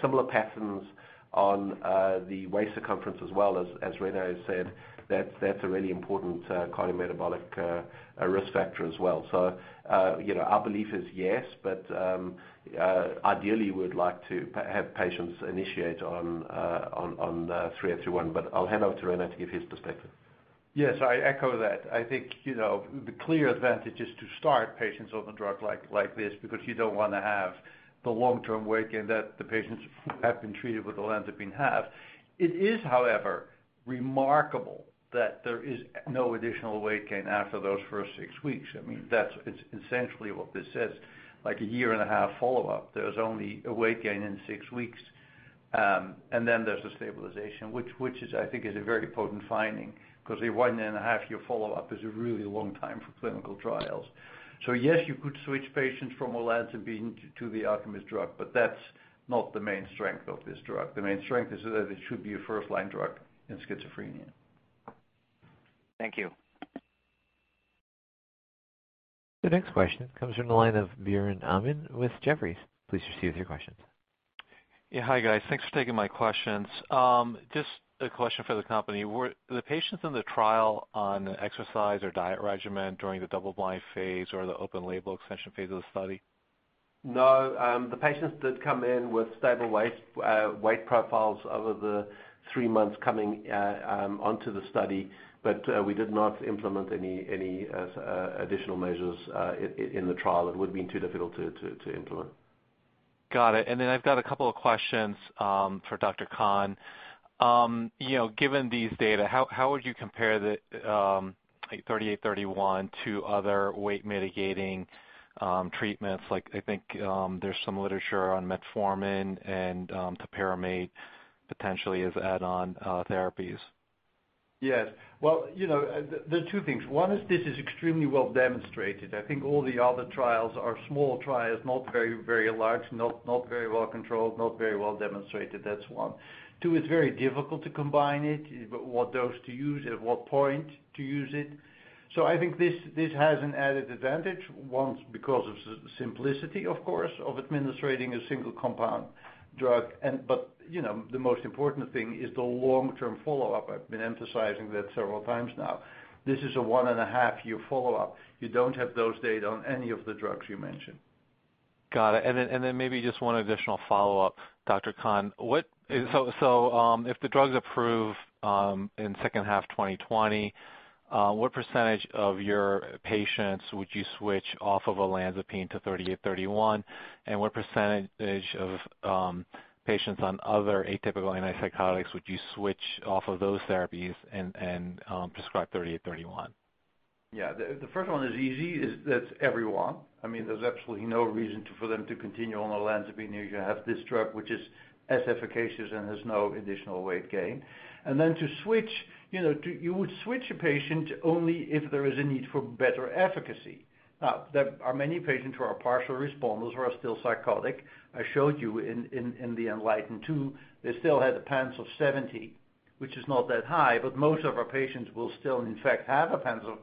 similar patterns on the waist circumference as well. As René said, that is a really important cardiometabolic risk factor as well. Our belief is yes, but ideally, we would like to have patients initiate on 3831. I will hand over to René to give his perspective. Yes, I echo that. I think the clear advantage is to start patients on a drug like this because you do not want to have the long-term weight gain that the patients who have been treated with olanzapine have. It is, however, remarkable that there is no additional weight gain after those first six weeks. That is essentially what this says. Like a year-and-a-half follow-up, there is only a weight gain in six weeks, and then there is a stabilization, which I think is a very potent finding because a one-and-a-half-year follow-up is a really long time for clinical trials. Yes, you could switch patients from olanzapine to the Alkermes drug, but that is not the main strength of this drug. The main strength is that it should be a first-line drug in schizophrenia. Thank you. The next question comes from the line of Biren Amin with Jefferies. Please proceed with your question. Yeah. Hi, guys. Thanks for taking my questions. Just a question for the company. Were the patients in the trial on exercise or diet regimen during the double-blind phase or the open label extension phase of the study? No, the patients did come in with stable weight profiles over the three months coming onto the study. We did not implement any additional measures in the trial. It would have been too difficult to implement. Got it. I've got a couple of questions for Dr. Kahn. Given these data, how would you compare the 3831 to other weight-mitigating treatments? I think there's some literature on metformin and topiramate potentially as add-on therapies. Yes. Well, there are two things. One is this is extremely well demonstrated. I think all the other trials are small trials, not very large, not very well controlled, not very well demonstrated. That's one. Two, it's very difficult to combine it, what dose to use, at what point to use it. I think this has an added advantage. One, because of simplicity, of course, of administrating a single compound drug. But the most important thing is the long-term follow-up. I've been emphasizing that several times now. This is a one-and-a-half-year follow-up. You don't have those data on any of the drugs you mentioned. Got it. Maybe just one additional follow-up, Dr. Kahn. If the drug's approved in second half 2020, what percentage of your patients would you switch off of olanzapine to 3831, and what percentage of patients on other atypical antipsychotics would you switch off of those therapies and prescribe 3831? Yeah. The first one is easy. That's everyone. There's absolutely no reason for them to continue on olanzapine. You have this drug which is as efficacious and has no additional weight gain. To switch, you would switch a patient only if there is a need for better efficacy. Now, there are many patients who are partial responders who are still psychotic. I showed you in the ENLIGHTEN-2, they still had a PANSS of 70, which is not that high, but most of our patients will still, in fact, have a PANSS of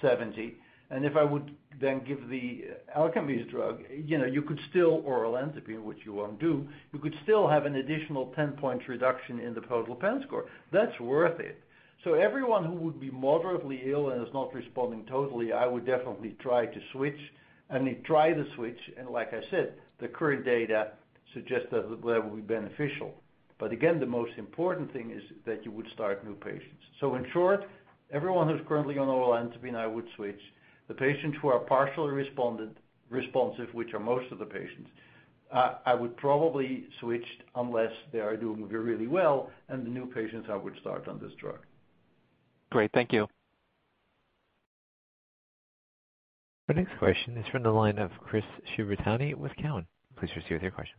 70. If I would then give the Alkermes drug, you could still oral olanzapine, which you won't do. You could still have an additional 10-point reduction in the total PANSS score. That's worth it. Everyone who would be moderately ill and is not responding totally, I would definitely try to switch. I mean, try to switch, like I said, the current data suggests that that will be beneficial. Again, the most important thing is that you would start new patients. In short, everyone who's currently on olanzapine, I would switch. The patients who are partially responsive, which are most of the patients, I would probably switch unless they are doing really well, the new patients I would start on this drug. Great. Thank you. Our next question is from the line of Chris Shibutani with Cowen. Please proceed with your question.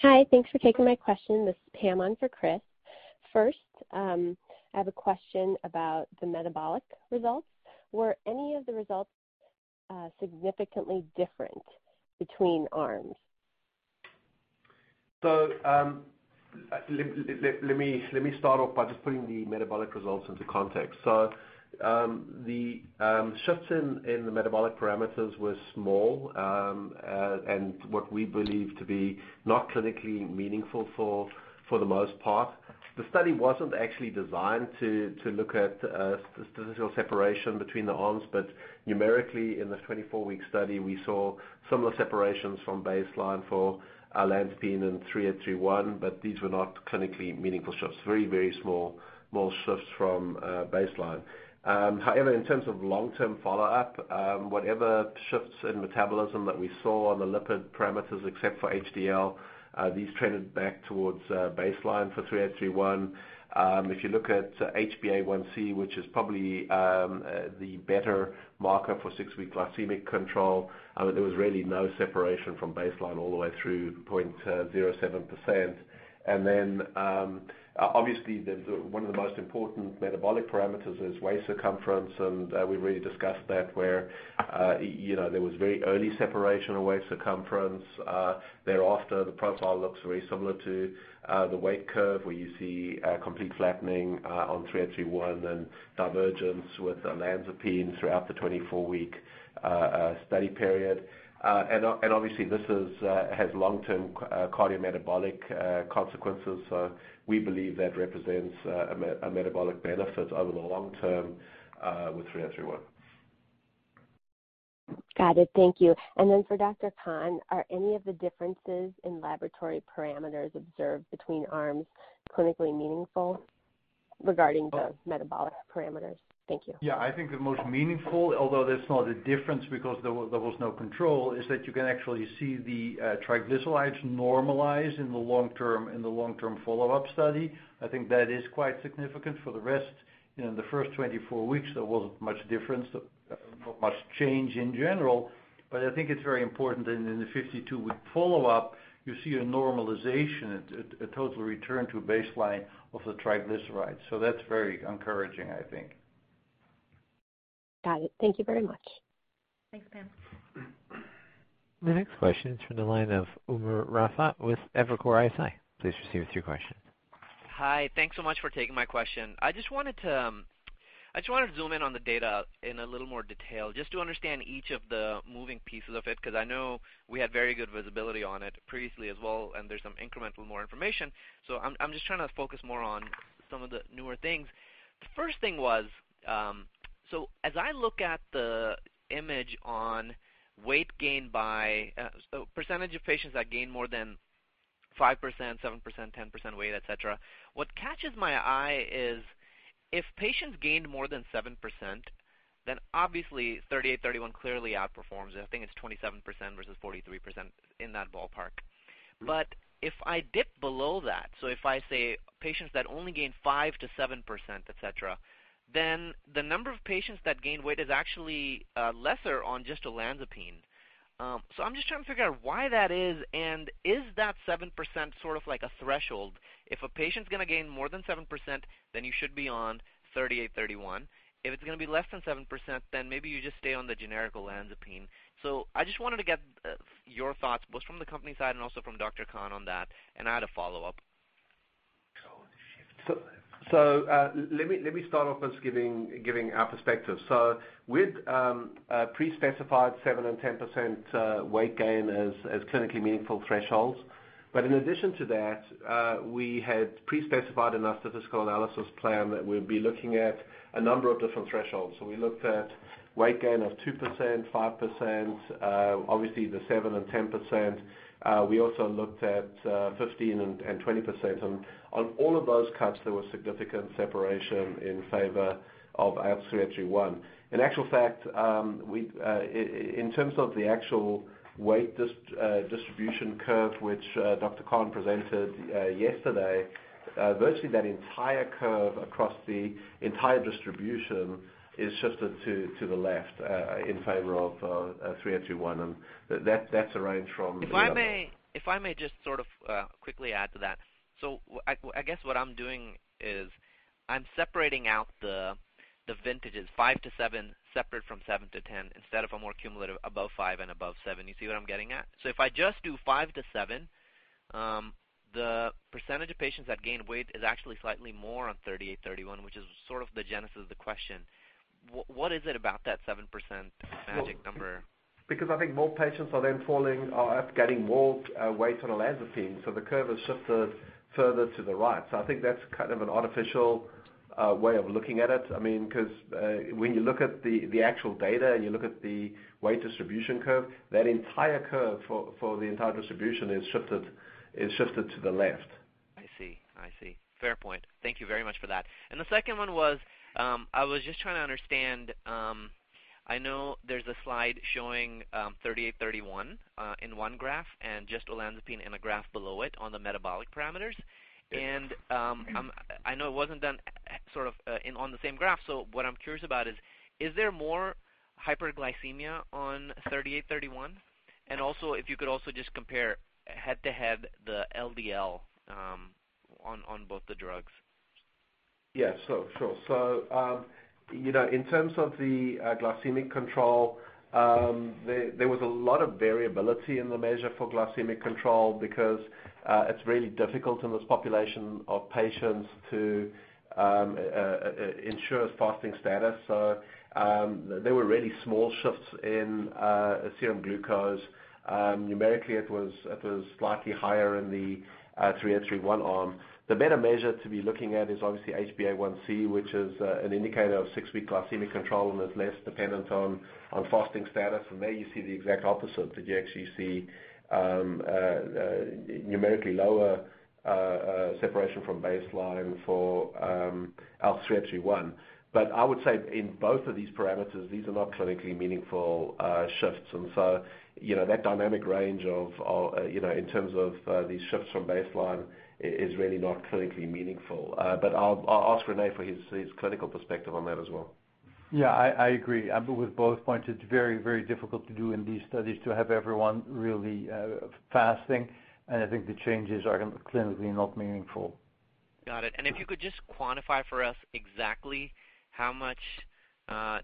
Hi. Thanks for taking my question. This is Pam on for Chris. First, I have a question about the metabolic results. Were any of the results significantly different between arms? Let me start off by just putting the metabolic results into context. The shifts in the metabolic parameters were small, and what we believe to be not clinically meaningful for the most part. The study wasn't actually designed to look at statistical separation between the arms. Numerically, in the 24-week study, we saw similar separations from baseline for olanzapine and 3831, but these were not clinically meaningful shifts. Very small shifts from baseline. However, in terms of long-term follow-up, whatever shifts in metabolism that we saw on the lipid parameters, except for HDL, these trended back towards baseline for 3831. If you look at HbA1c, which is probably the better marker for 6-week glycemic control, there was really no separation from baseline all the way through 0.07%. Obviously, one of the most important metabolic parameters is waist circumference, and we really discussed that where there was very early separation of waist circumference. Thereafter, the profile looks very similar to the weight curve, where you see a complete flattening on 3831 and divergence with olanzapine throughout the 24-week study period. Obviously, this has long-term cardiometabolic consequences. We believe that represents a metabolic benefit over the long term with 3831. Got it. Thank you. For Dr. Kahn, are any of the differences in laboratory parameters observed between arms clinically meaningful regarding the metabolic parameters? Thank you. I think the most meaningful, although there's not a difference because there was no control, is that you can actually see the triglycerides normalize in the long-term follow-up study. I think that is quite significant. For the rest, in the first 24 weeks, there wasn't much difference, not much change in general. I think it's very important in the 52-week follow-up, you see a normalization, a total return to baseline of the triglycerides. That's very encouraging, I think. Got it. Thank you very much. Thanks, Pam. The next question is from the line of Umer Raffat with Evercore ISI. Please proceed with your question. Hi. Thanks so much for taking my question. I just wanted to zoom in on the data in a little more detail, just to understand each of the moving pieces of it, because I know we had very good visibility on it previously as well, and there's some incremental more information. I'm just trying to focus more on some of the newer things. The first thing was, as I look at the image on weight gain by percentage of patients that gain more than 5%, 7%, 10% weight, et cetera, what catches my eye is if patients gained more than 7%, then obviously 3831 clearly outperforms it. I think it's 27% versus 43% in that ballpark. If I dip below that, if I say patients that only gain 5% to 7%, et cetera, the number of patients that gain weight is actually lesser on just olanzapine. I'm just trying to figure out why that is, and is that 7% sort of like a threshold? If a patient's gonna gain more than 7%, you should be on 3831. If it's gonna be less than 7%, maybe you just stay on the generic olanzapine. I just wanted to get your thoughts, both from the company side and also from Dr. Kahn on that, and I had a follow-up. Let me start off by giving our perspective. We'd pre-specified 7% and 10% weight gain as clinically meaningful thresholds. In addition to that, we had pre-specified in our statistical analysis plan that we'd be looking at a number of different thresholds. We looked at weight gain of 2%, 5%, obviously the 7% and 10%. We also looked at 15% and 20%, and on all of those cuts, there was significant separation in favor of 3831. In actual fact, in terms of the actual weight distribution curve, which Dr. Kahn presented yesterday, virtually that entire curve across the entire distribution is shifted to the left in favor of 3831. If I may just sort of quickly add to that. I guess what I'm doing is I'm separating out the vintages five to seven, separate from seven to 10, instead of a more cumulative above five and above seven. You see what I'm getting at? If I just do five to seven, the percentage of patients that gain weight is actually slightly more on 3831, which is sort of the genesis of the question. What is it about that 7% magic number? I think more patients are then getting more weight on olanzapine, the curve is shifted further to the right. I think that's kind of an artificial way of looking at it. When you look at the actual data and you look at the weight distribution curve, that entire curve for the entire distribution is shifted to the left. I see. Fair point. Thank you very much for that. The second one was, I was just trying to understand. I know there's a slide showing 3831 in one graph and just olanzapine in a graph below it on the metabolic parameters. Yes. I know it wasn't done on the same graph, what I'm curious about is there more hyperglycemia on 3831? Also, if you could also just compare head-to-head the LDL on both the drugs. Yeah, sure. In terms of the glycemic control, there was a lot of variability in the measure for glycemic control because it's really difficult in this population of patients to ensure fasting status. There were really small shifts in serum glucose. Numerically, it was slightly higher in the 3831 arm. The better measure to be looking at is obviously HbA1c, which is an indicator of six-week glycemic control and is less dependent on fasting status. There you see the exact opposite, that you actually see numerically lower separation from baseline for ALKS 3831. I would say in both of these parameters, these are not clinically meaningful shifts. That dynamic range in terms of these shifts from baseline is really not clinically meaningful. I'll ask René for his clinical perspective on that as well. Yeah, I agree. With both points, it's very, very difficult to do in these studies to have everyone really fasting. I think the changes are clinically not meaningful. Got it. If you could just quantify for us exactly how much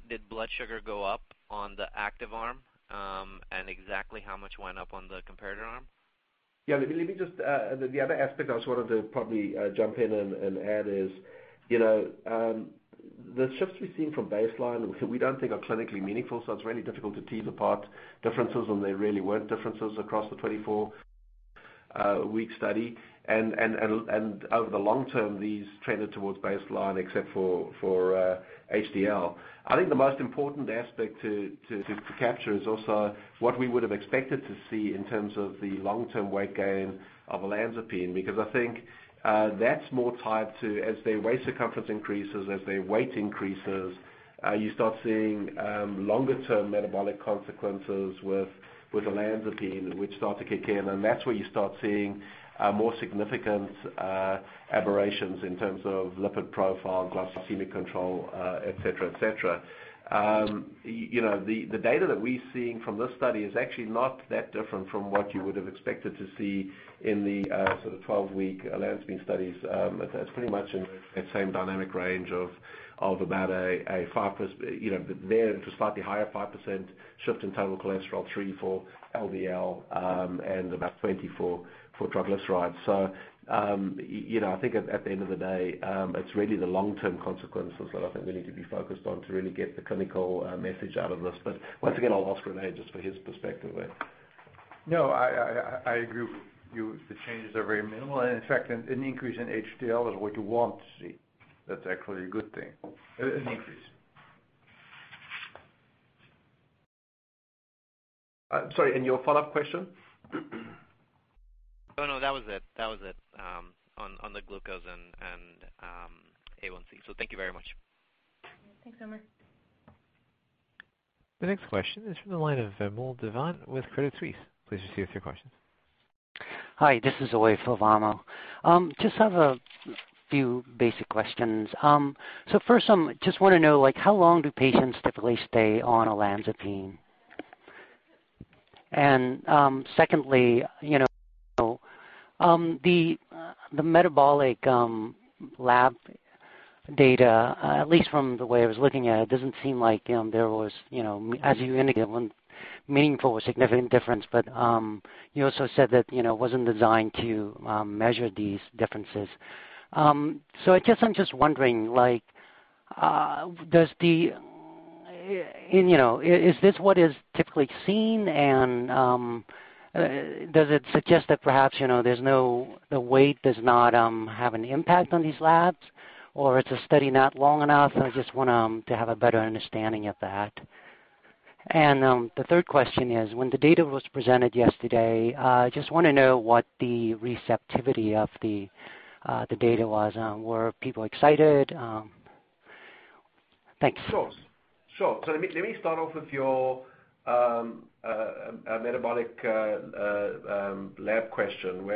did blood sugar go up on the active arm, and exactly how much went up on the comparator arm? Yeah, the other aspect I just wanted to probably jump in and add is, the shifts we've seen from baseline we don't think are clinically meaningful, so it's really difficult to tease apart differences when there really weren't differences across the 24-week study. Over the long term, these trended towards baseline except for HDL. I think the most important aspect to capture is also what we would have expected to see in terms of the long-term weight gain of olanzapine. Because I think that's more tied to as their waist circumference increases, as their weight increases, you start seeing longer-term metabolic consequences with olanzapine, which start to kick in, and that's where you start seeing more significant aberrations in terms of lipid profile, glycemic control, et cetera. The data that we're seeing from this study is actually not that different from what you would have expected to see in the 12-week olanzapine studies. It's pretty much in that same dynamic range of about a slightly higher 5% shift in total cholesterol, 3% for LDL, and about 20% for triglycerides. I think at the end of the day, it's really the long-term consequences that I think we need to be focused on to really get the clinical message out of this. Once again, I'll ask René just for his perspective. No, I agree with you. The changes are very minimal. In fact, an increase in HDL is what you want to see. That's actually a good thing. An increase. Sorry, your follow-up question? Oh, no, that was it. On the glucose and A1c. Thank you very much. Thanks, Umer. The next question is from the line of Vamil Divan with Credit Suisse. Please proceed with your question. Hi, this is Oy Favamo. Just have a few basic questions. First, just want to know, how long do patients typically stay on olanzapine? Secondly, the metabolic lab data, at least from the way I was looking at it, doesn't seem like there was, as you indicated, one meaningful or significant difference. You also said that it wasn't designed to measure these differences. I'm just wondering, is this what is typically seen? Does it suggest that perhaps the weight does not have an impact on these labs, or is the study not long enough? I just want to have a better understanding of that. The third question is, when the data was presented yesterday, I just want to know what the receptivity of the data was. Were people excited? Thanks. Let me start off with your metabolic lab question.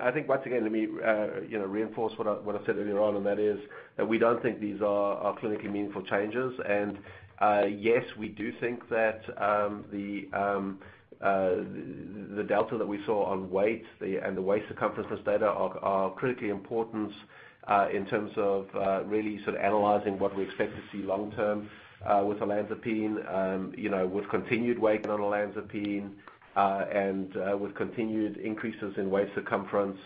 I think once again, let me reinforce what I said earlier on, that is, we don't think these are clinically meaningful changes. Yes, we do think that the delta that we saw on weight and the waist circumference data are critically important in terms of really sort of analyzing what we expect to see long term with olanzapine. With continued weight gain on olanzapine, with continued increases in waist circumference,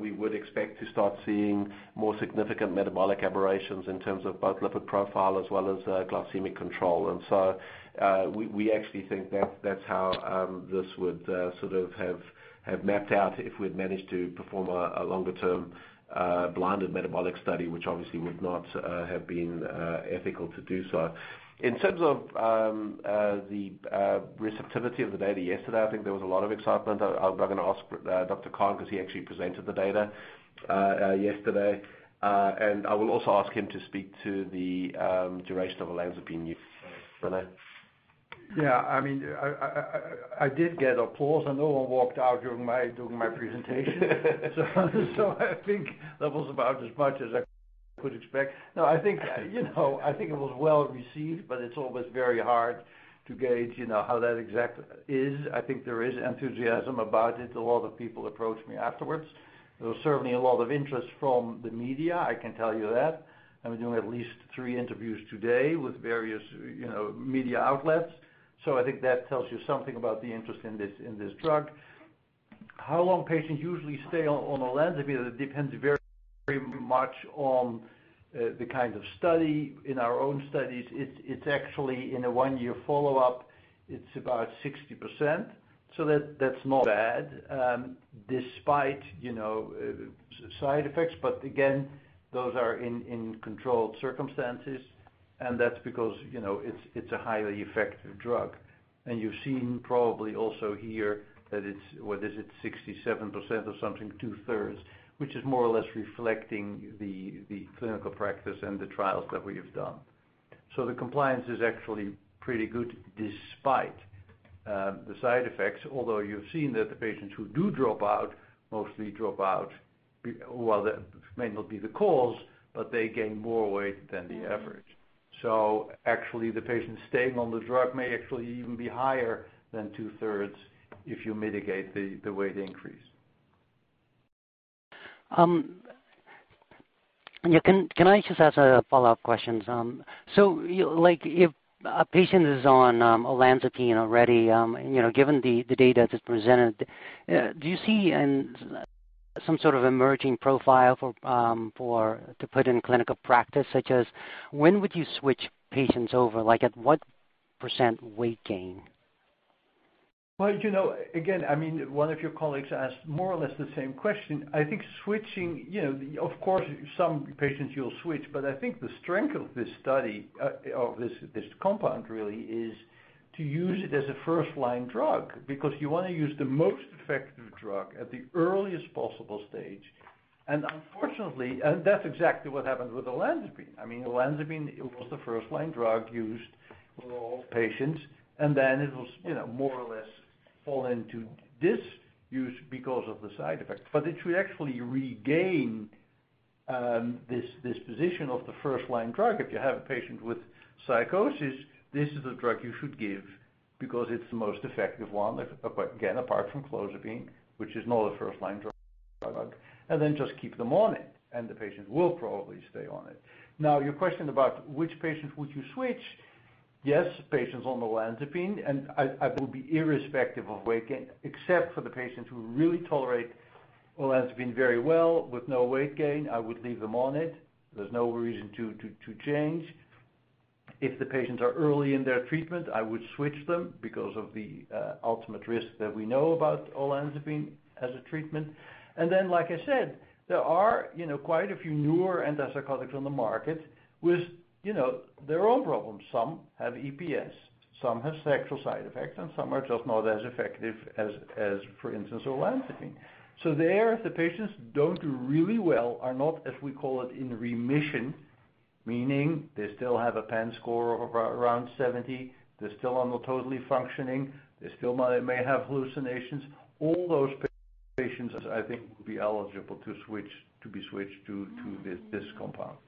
we would expect to start seeing more significant metabolic aberrations in terms of both lipid profile as well as glycemic control. We actually think that's how this would sort of have mapped out if we had managed to perform a longer-term blinded metabolic study, which obviously would not have been ethical to do so. In terms of the receptivity of the data yesterday, I think there was a lot of excitement. I'm going to ask Dr. Kahn because he actually presented the data yesterday. I will also ask him to speak to the duration of olanzapine use. René? Yeah. I did get applause and no one walked out during my presentation. I think that was about as much as I could expect. No, I think it was well received, but it's always very hard to gauge how that exactly is. I think there is enthusiasm about it. A lot of people approached me afterwards. There was certainly a lot of interest from the media, I can tell you that. I'm doing at least three interviews today with various media outlets. I think that tells you something about the interest in this drug. How long patients usually stay on olanzapine, it depends very much on the kind of study. In our own studies, it's actually in a one-year follow-up, it's about 60%. That's not bad, despite side effects. Again, those are in controlled circumstances, and that's because it's a highly effective drug. You've seen probably also here that it's, what is it, 67% or something, two-thirds, which is more or less reflecting the clinical practice and the trials that we have done. The compliance is actually pretty good despite the side effects. Although you've seen that the patients who do drop out, mostly drop out, while that may not be the cause, but they gain more weight than the average. Actually the patient staying on the drug may actually even be higher than two-thirds if you mitigate the weight increase. Can I just ask a follow-up question? If a patient is on olanzapine already, given the data that's presented, do you see some sort of emerging profile to put in clinical practice, such as when would you switch patients over, like at what % weight gain? Well, again, one of your colleagues asked more or less the same question. I think switching, of course, some patients you'll switch, but I think the strength of this study, of this compound really, is to use it as a first-line drug. You want to use the most effective drug at the earliest possible stage. That's exactly what happened with olanzapine. Olanzapine, it was the first-line drug used for all patients, and then it was more or less fall into disuse because of the side effects. It should actually regain this position of the first-line drug. If you have a patient with psychosis, this is the drug you should give because it's the most effective one, again, apart from clozapine, which is not a first-line drug. Just keep them on it, and the patient will probably stay on it. Now, your question about which patients would you switch? Yes, patients on olanzapine, and I will be irrespective of weight gain, except for the patients who really tolerate olanzapine very well with no weight gain, I would leave them on it. There's no reason to change. If the patients are early in their treatment, I would switch them because of the ultimate risk that we know about olanzapine as a treatment. Like I said, there are quite a few newer antipsychotics on the market with their own problems. Some have EPS, some have sexual side effects, and some are just not as effective as, for instance, olanzapine. There, if the patients don't do really well, are not, as we call it, in remission, meaning they still have a PANSS score of around 70. They still are not totally functioning. They still may have hallucinations. All those patients, I think, will be eligible to be switched to this compound.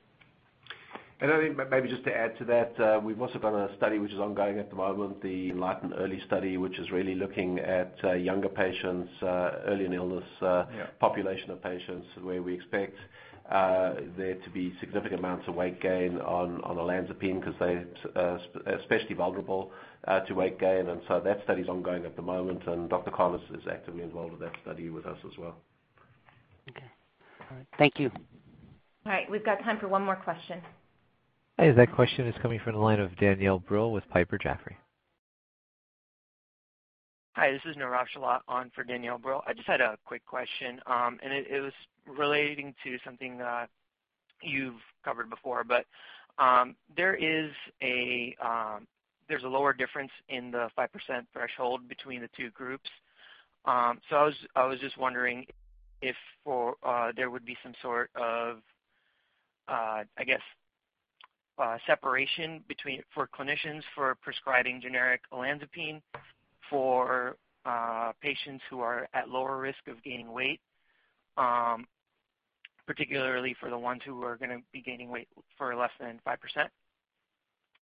I think maybe just to add to that, we've also got a study which is ongoing at the moment, the ENLIGHTEN-Early study, which is really looking at younger patients, early in illness. Yeah population of patients where we expect there to be significant amounts of weight gain on olanzapine because they are especially vulnerable to weight gain. That study is ongoing at the moment, and Dr. Carlis is actively involved in that study with us as well. Okay. All right. Thank you. All right. We've got time for one more question. That question is coming from the line of Danielle Brill with Piper Jaffray. Hi, this is Niraj Shah on for Danielle Brill. I just had a quick question. It was relating to something that you've covered before, there's a lower difference in the 5% threshold between the two groups. I was just wondering if there would be some sort of, I guess, separation for clinicians for prescribing generic olanzapine for patients who are at lower risk of gaining weight, particularly for the ones who are going to be gaining weight for less than 5%?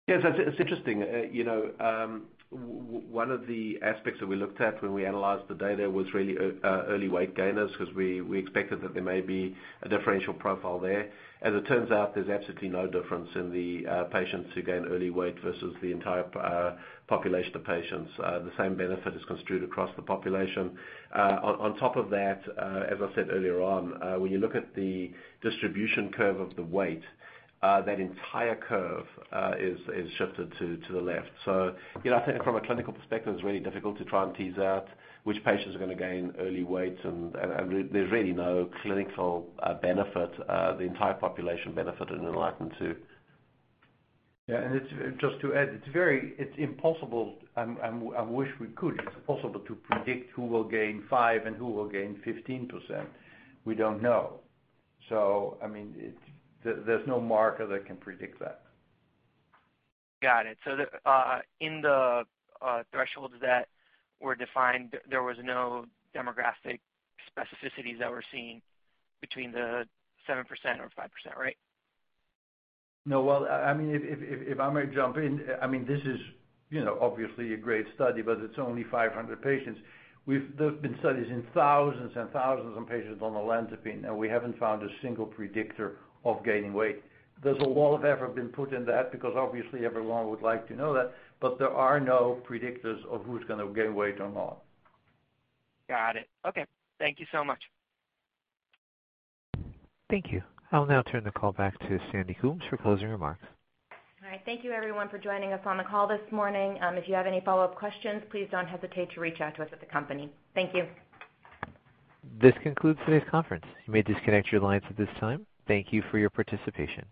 Yes, it's interesting. One of the aspects that we looked at when we analyzed the data was really early weight gainers, because we expected that there may be a differential profile there. As it turns out, there's absolutely no difference in the patients who gain early weight versus the entire population of patients. The same benefit is construed across the population. On top of that, as I said earlier on, when you look at the distribution curve of the weight, that entire curve is shifted to the left. I think from a clinical perspective, it's really difficult to try and tease out which patients are going to gain early weight, and there's really no clinical benefit. The entire population benefited in ENLIGHTEN-2. Yeah, just to add, it's impossible. I wish we could. It's impossible to predict who will gain five and who will gain 15%. We don't know. There's no marker that can predict that. Got it. In the thresholds that were defined, there was no demographic specificities that were seen between the 7% or 5%, right? No. Well, if I may jump in. This is obviously a great study, but it's only 500 patients. There's been studies in thousands and thousands of patients on olanzapine, and we haven't found a single predictor of gaining weight. There's a wall of effort been put in that because obviously everyone would like to know that, but there are no predictors of who's going to gain weight or not. Got it. Okay. Thank you so much. Thank you. I'll now turn the call back to Sandy Coombs for closing remarks. All right. Thank you everyone for joining us on the call this morning. If you have any follow-up questions, please don't hesitate to reach out to us at the company. Thank you. This concludes today's conference. You may disconnect your lines at this time. Thank you for your participation.